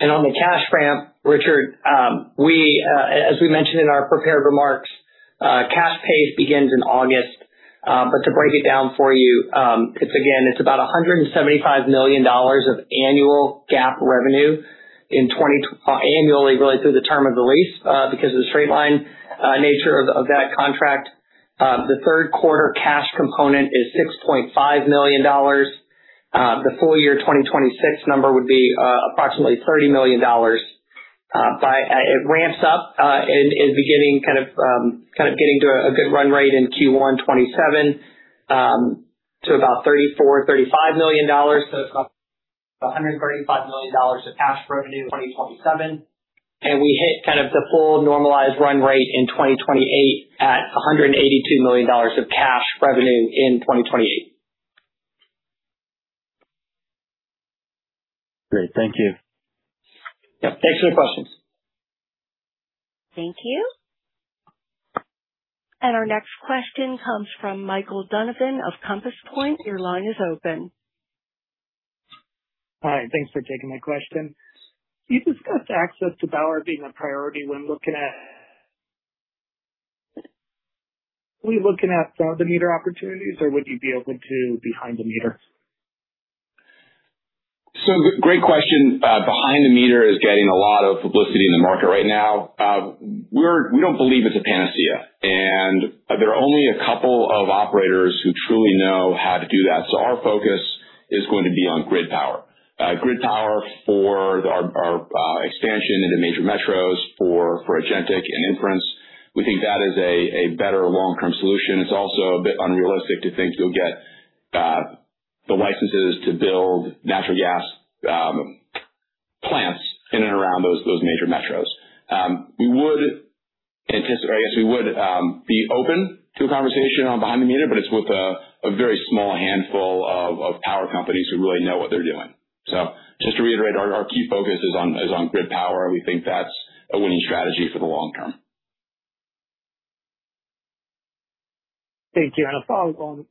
On the cash ramp, Richard, as we mentioned in our prepared remarks, cash pace begins in August. To break it down for you, it's again, it's about $175 million of annual GAAP revenue annually really through the term of the lease, because of the straight line nature of that contract. The third quarter cash component is $6.5 million. The full year 2026 number would be approximately $30 million. It ramps up and beginning getting to a good run rate in Q1 2027, to about $34 million-$35 million. It's got $135 million of cash revenue in 2027. We hit the full normalized run rate in 2028 at $182 million of cash revenue in 2028. Great. Thank you. Yep. Thanks for your questions.
Thank you. Our next question comes from Michael Donovan of Compass Point. Your line is open.
Hi. Thanks for taking my question. You discussed access to power being a priority when looking at Are we looking at the meter opportunities, or would you be open to behind the meter?
Great question. Behind the meter is getting a lot of publicity in the market right now. We don't believe it's a panacea, and there are only a couple of operators who truly know how to do that. Our focus is going to be on grid power. Grid power for our expansion into major metros for agentic and inference. We think that is a better long-term solution. It's also a bit unrealistic to think you'll get the licenses to build natural gas plants in and around those major metros. We would be open to a conversation on behind the meter, it's with a very small handful of power companies who really know what they're doing. Just to reiterate, our key focus is on grid power. We think that's a winning strategy for the long term.
Thank you. A follow-on,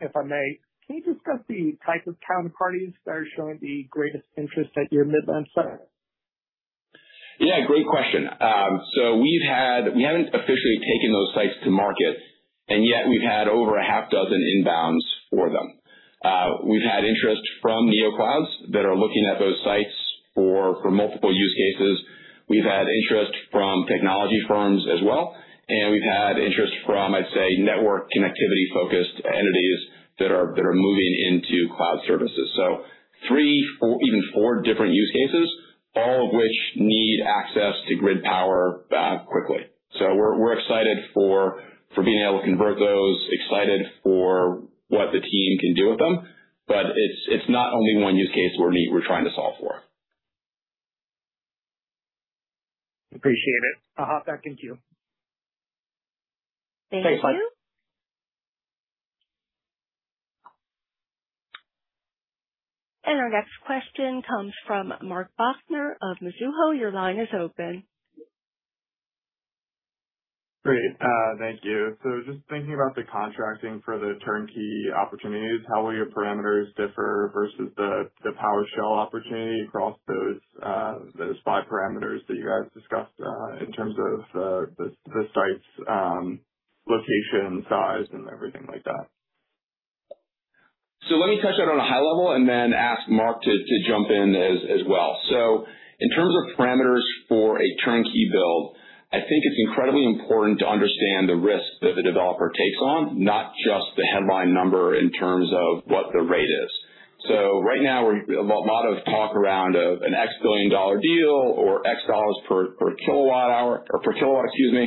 if I may. Can you discuss the type of counterparties that are showing the greatest interest at your Midland site?
Great question. We haven't officially taken those sites to market, yet we've had over a half dozen inbounds for them. We've had interest from neo clouds that are looking at those sites for multiple use cases. We've had interest from technology firms as well, we've had interest from, I'd say, network connectivity-focused entities that are moving into cloud services. Three, even four different use cases, all of which need access to grid power quickly. We're excited for being able to convert those, excited for what the team can do with them. It's not only one use case we're trying to solve for.
Appreciate it. I'll hop back in queue.
Thank you.
Thanks, Mike.
Our next question comes from Mark Delaney of Mizuho. Your line is open.
Great. Thank you. Just thinking about the contracting for the turnkey opportunities, how will your parameters differ versus the powered shell opportunity across those five parameters that you guys discussed, in terms of the sites' location, size, and everything like that?
Let me touch that on a high level and then ask Mark to jump in as well. In terms of parameters for a turnkey build, I think it's incredibly important to understand the risk that the developer takes on, not just the headline number in terms of what the rate is. Right now, a lot of talk around of an $X billion deal or $Y per kilowatt hour or per kilowatt, excuse me.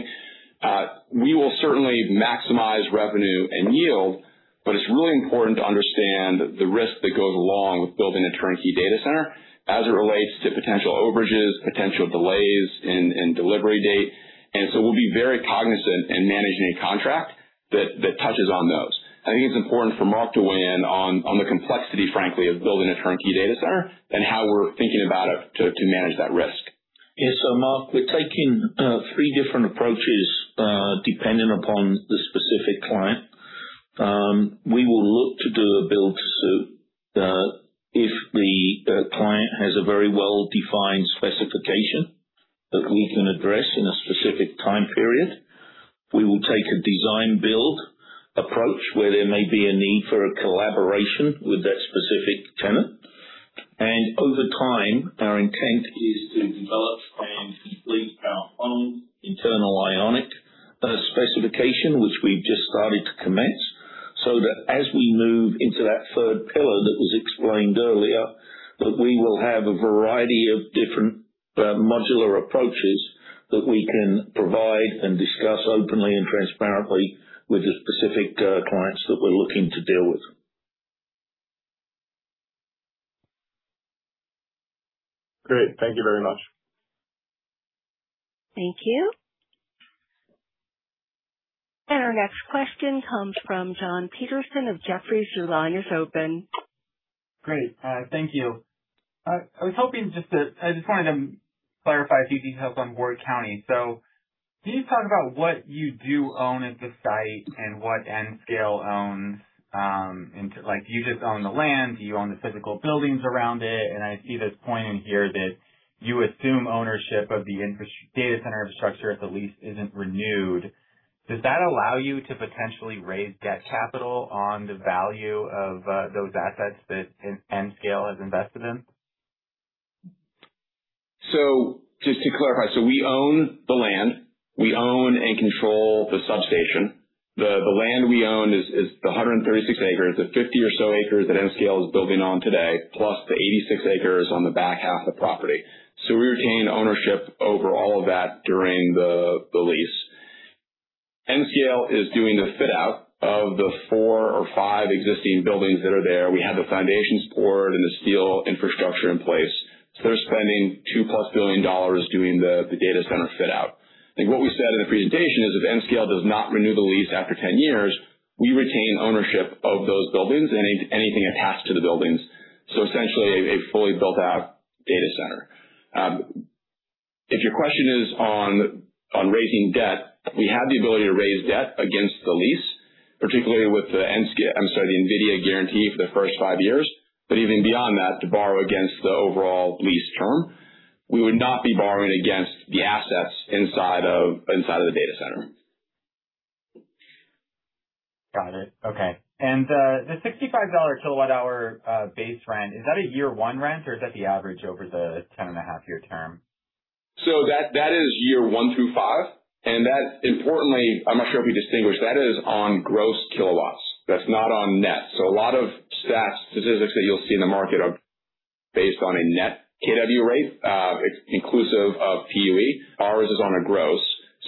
We will certainly maximize revenue and yield, but it's really important to understand the risk that goes along with building a turnkey data center as it relates to potential overages, potential delays in delivery date. We'll be very cognizant in managing a contract that touches on those. I think it's important for Mark to weigh in on the complexity, frankly, of building a turnkey data center and how we're thinking about it to manage that risk.
Mark, we're taking three different approaches, depending upon the specific client. We will look to do a build to suit if the client has a very well-defined specification that we can address in a specific time period. We will take a design build approach where there may be a need for a collaboration with that specific tenant. Over time, our intent is to develop, plan, complete our own internal Ionic specification, which we've just started to commence, so that as we move into that third pillar that was explained earlier, that we will have a variety of different modular approaches that we can provide and discuss openly and transparently with the specific clients that we're looking to deal with.
Great. Thank you very much.
Thank you. Our next question comes from Jonathan Petersen of Jefferies. Your line is open.
Great. Thank you. I just wanted to clarify if you could help on Ward County. Can you talk about what you do own at the site and what Nscale owns? Do you just own the land? Do you own the physical buildings around it? I see this point in here that you assume ownership of the data center infrastructure if the lease isn't renewed. Does that allow you to potentially raise debt capital on the value of those assets that Nscale has invested in?
Just to clarify, we own the land. We own and control the substation. The land we own is the 136 acres, the 50 or so acres that Nscale is building on today, plus the 86 acres on the back half of property. We retain ownership over all of that during the lease Nscale is doing the fit out of the four or five existing buildings that are there. We have the foundations poured and the steel infrastructure in place. They're spending $2-plus billion doing the data center fit out. I think what we said in the presentation is if Nscale does not renew the lease after 10 years, we retain ownership of those buildings and anything attached to the buildings. Essentially, a fully built-out data center. If your question is on raising debt, we have the ability to raise debt against the lease, particularly with the NVIDIA guarantee for the first five years. Even beyond that, to borrow against the overall lease term, we would not be borrowing against the assets inside of the data center.
Got it. Okay. The $65 kilowatt-hour base rent, is that a year one rent, or is that the average over the 10 and a half year term?
That is year one through five. That, importantly, I'm not sure if we distinguished, that is on gross kilowatts. That's not on net. A lot of statistics that you'll see in the market are based on a net kW rate. It's inclusive of PUE. Ours is on a gross.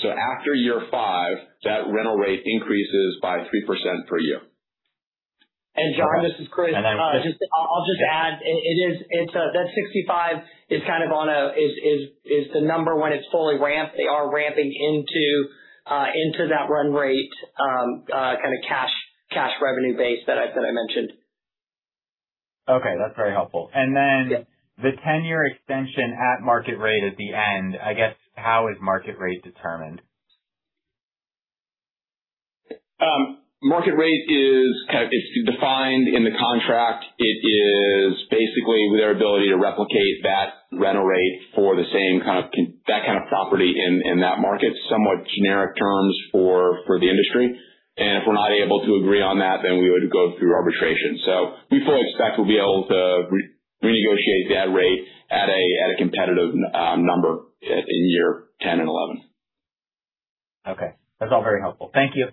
After year five, that rental rate increases by 3% per year.
Okay.
John, this is Chris. And then- I'll just add. That 65 is the number when it's fully ramped. They are ramping into that run rate, kind of cash revenue base that I mentioned.
Okay, that's very helpful. Yeah. Then the 10-year extension at market rate at the end, I guess, how is market rate determined?
Market rate is defined in the contract. It is basically their ability to replicate that rental rate for that kind of property in that market. Somewhat generic terms for the industry. If we're not able to agree on that, then we would go through arbitration. We fully expect we'll be able to renegotiate that rate at a competitive number in year 10 and 11.
Okay. That's all very helpful. Thank you.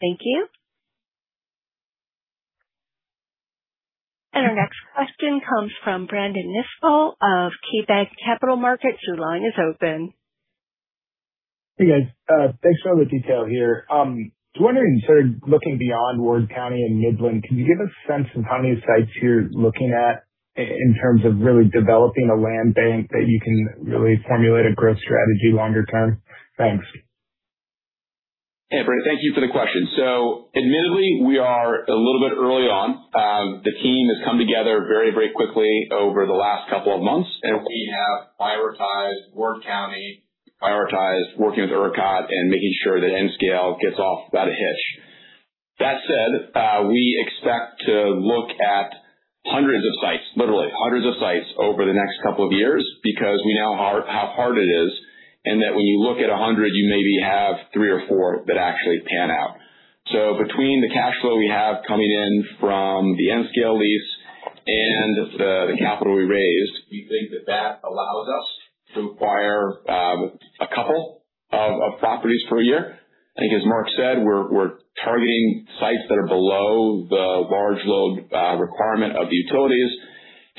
Thank you. Our next question comes from Brandon Nispel of KeyBanc Capital Markets. Your line is open.
Hey, guys. Thanks for all the detail here. Just wondering, sort of looking beyond Ward County and Midland, can you give a sense of how many sites you're looking at in terms of really developing a land bank that you can really formulate a growth strategy longer term? Thanks.
Hey, Brandon, thank you for the question. Admittedly, we are a little bit early on. The team has come together very, very quickly over the last couple of months, and we have prioritized Ward County, prioritized working with ERCOT, and making sure that Nscale gets off without a hitch. That said, we expect to look at hundreds of sites, literally hundreds of sites over the next couple of years because we know how hard it is, and that when you look at 100, you maybe have three or four that actually pan out. Between the cash flow we have coming in from the Nscale lease and the capital we raised, we think that that allows us to acquire a couple of properties per year. I think as Mark said, we're targeting sites that are below the large load requirement of the utilities,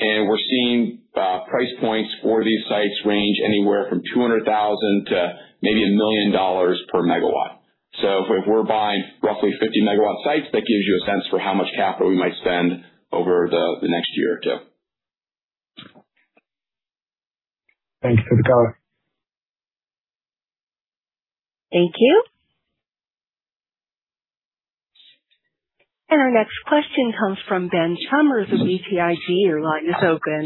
and we're seeing price points for these sites range anywhere from $200,000 to maybe $1 million per megawatt. If we're buying roughly 50 megawatt sites, that gives you a sense for how much capital we might spend over the next year or two.
Thanks for the color.
Thank you. Our next question comes from Ben Chalmers of BTIG. Your line is open.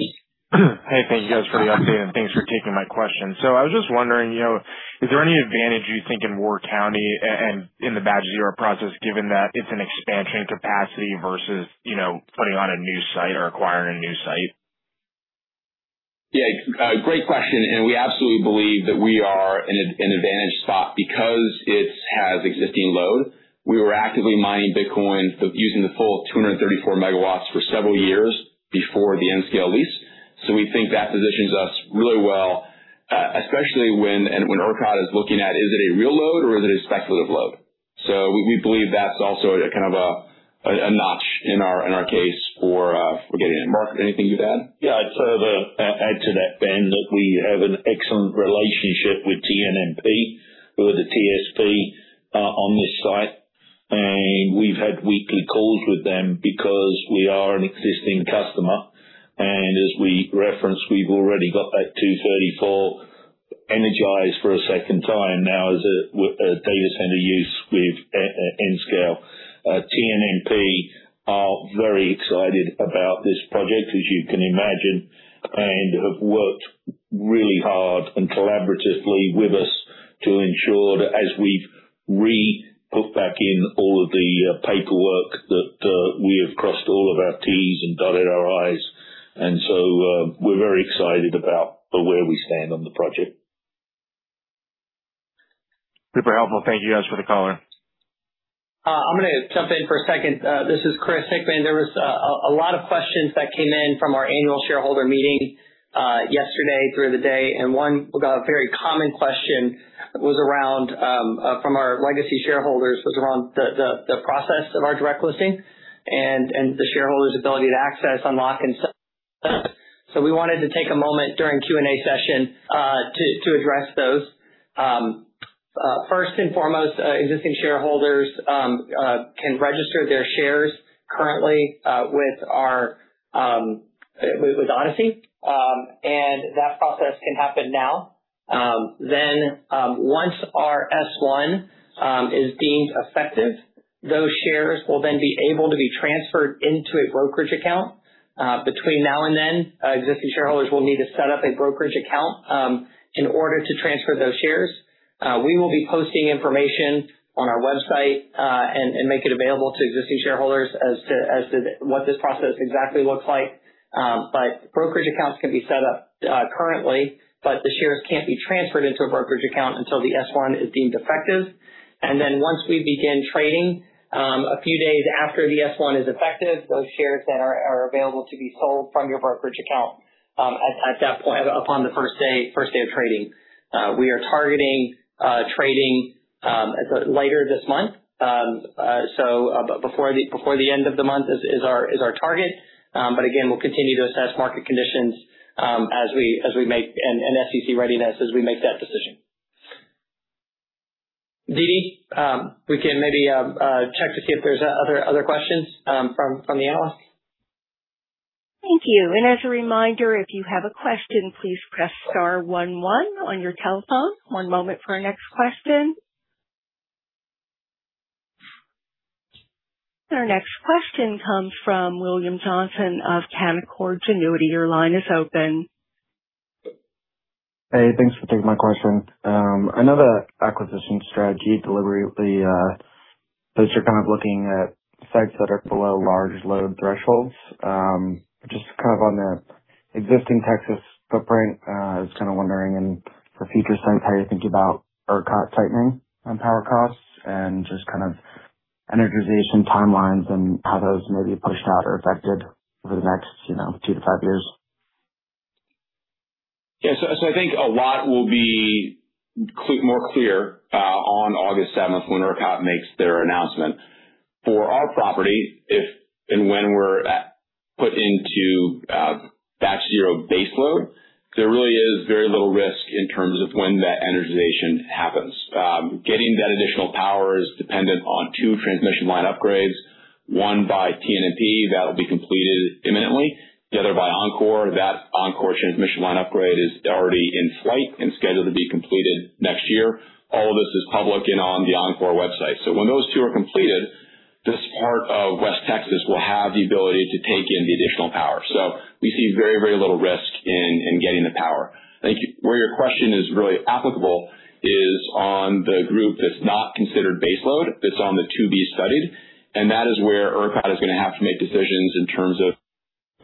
Hey, thank you guys for the update, and thanks for taking my question. I was just wondering, is there any advantage you think in Ward County and in the Batch Zero process, given that it's an expansion capacity versus putting on a new site or acquiring a new site?
Yeah. Great question. We absolutely believe that we are in an advantaged spot because it has existing load. We were actively mining Bitcoin, using the full 234 megawatts for several years before the Nscale lease. We think that positions us really well, especially when ERCOT is looking at, is it a real load or is it a speculative load? We believe that's also a notch in our case for getting in. Mark, anything to add?
Yeah. I'd further add to that, Ben, that we have an excellent relationship with TNMP, who are the TSP on this site. We've had weekly calls with them because we are an existing customer. As we referenced, we've already got that 234 energized for a second time now as a data center use with Nscale. TNMP are very excited about this project, as you can imagine. Have worked really hard and collaboratively with us to ensure that as we've re-put back in all of the paperwork, that we have crossed all of our T's and dotted our I's. We're very excited about where we stand on the project.
Super helpful. Thank you guys for the color.
I'm going to jump in for a second. This is Chris Hickman. There was a lot of questions that came in from our annual shareholder meeting yesterday through the day. One very common question from our legacy shareholders was around the process of our direct listing and the shareholders' ability to access, unlock, and. We wanted to take a moment during the Q&A session to address those. First and foremost, existing shareholders can register their shares currently with Odyssey, that process can happen now. Once our S-1 is deemed effective, those shares will then be able to be transferred into a brokerage account. Between now and then, existing shareholders will need to set up a brokerage account in order to transfer those shares. We will be posting information on our website, and make it available to existing shareholders as to what this process exactly looks like. Brokerage accounts can be set up currently, but the shares can't be transferred into a brokerage account until the S-1 is deemed effective. Once we begin trading, a few days after the S-1 is effective, those shares then are available to be sold from your brokerage account upon the first day of trading. We are targeting trading later this month. Before the end of the month is our target. Again, we'll continue to assess market conditions and SEC readiness as we make that decision. Didi, we can maybe check to see if there's other questions from the analysts.
Thank you. As a reminder, if you have a question, please press star 11 on your telephone. One moment for our next question. Our next question comes from William Johnson of Canaccord Genuity. Your line is open.
Hey, thanks for taking my question. I know the acquisition strategy deliberately, that you're kind of looking at sites that are below large load thresholds. Just kind of on the existing Texas footprint, I was kind of wondering in the future sense, how you think about ERCOT tightening on power costs and just kind of energization timelines and how those may be pushed out or affected over the next two to five years.
Yeah. I think a lot will be more clear on August seventh when ERCOT makes their announcement. For our property, if and when we're put into batch zero baseload, there really is very little risk in terms of when that energization happens. Getting that additional power is dependent on two transmission line upgrades, one by TNMP, that'll be completed imminently, the other by Oncor. That Oncor transmission line upgrade is already in flight and scheduled to be completed next year. All of this is public and on the Oncor website. When those two are completed, this part of West Texas will have the ability to take in the additional power. We see very, very little risk in getting the power.
Thank you.
Where your question is really applicable is on the group that's not considered baseload, that's on the to-be studied, and that is where ERCOT is going to have to make decisions in terms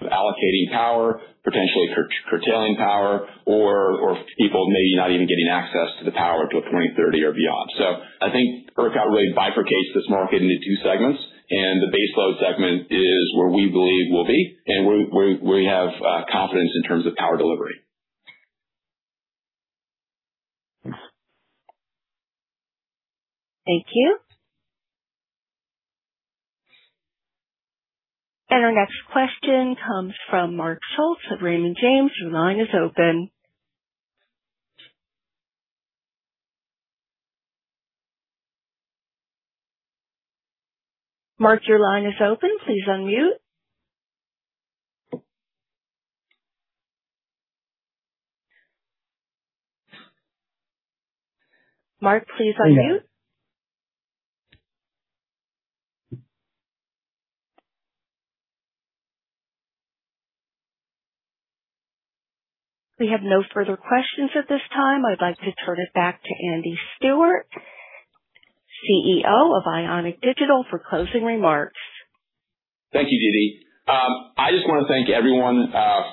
of allocating power, potentially curtailing power, or people maybe not even getting access to the power until 2030 or beyond. I think ERCOT really bifurcates this market into two segments, and the baseload segment is where we believe we'll be, and we have confidence in terms of power delivery.
Thank you. Our next question comes from Mark Schultz at Raymond James. Your line is open. Mark, your line is open. Please unmute. Mark, please unmute.
Hello?
We have no further questions at this time. I'd like to turn it back to Andy Stewart, CEO of Ionic Digital, for closing remarks.
Thank you, Didi. I just want to thank everyone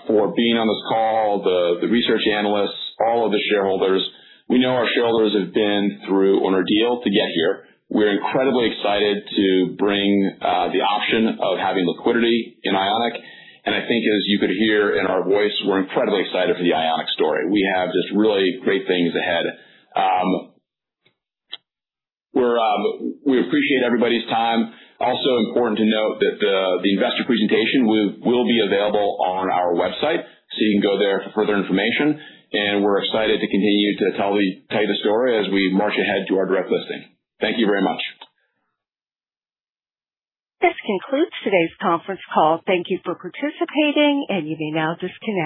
for being on this call, the research analysts, all of the shareholders. We know our shareholders have been through an ordeal to get here. We're incredibly excited to bring the option of having liquidity in Ionic, and I think as you could hear in our voice, we're incredibly excited for the Ionic story. We have just really great things ahead. We appreciate everybody's time. Also important to note that the investor presentation will be available on our website, so you can go there for further information. We're excited to continue to tell the story as we march ahead to our direct listing. Thank you very much.
This concludes today's conference call. Thank you for participating, and you may now disconnect.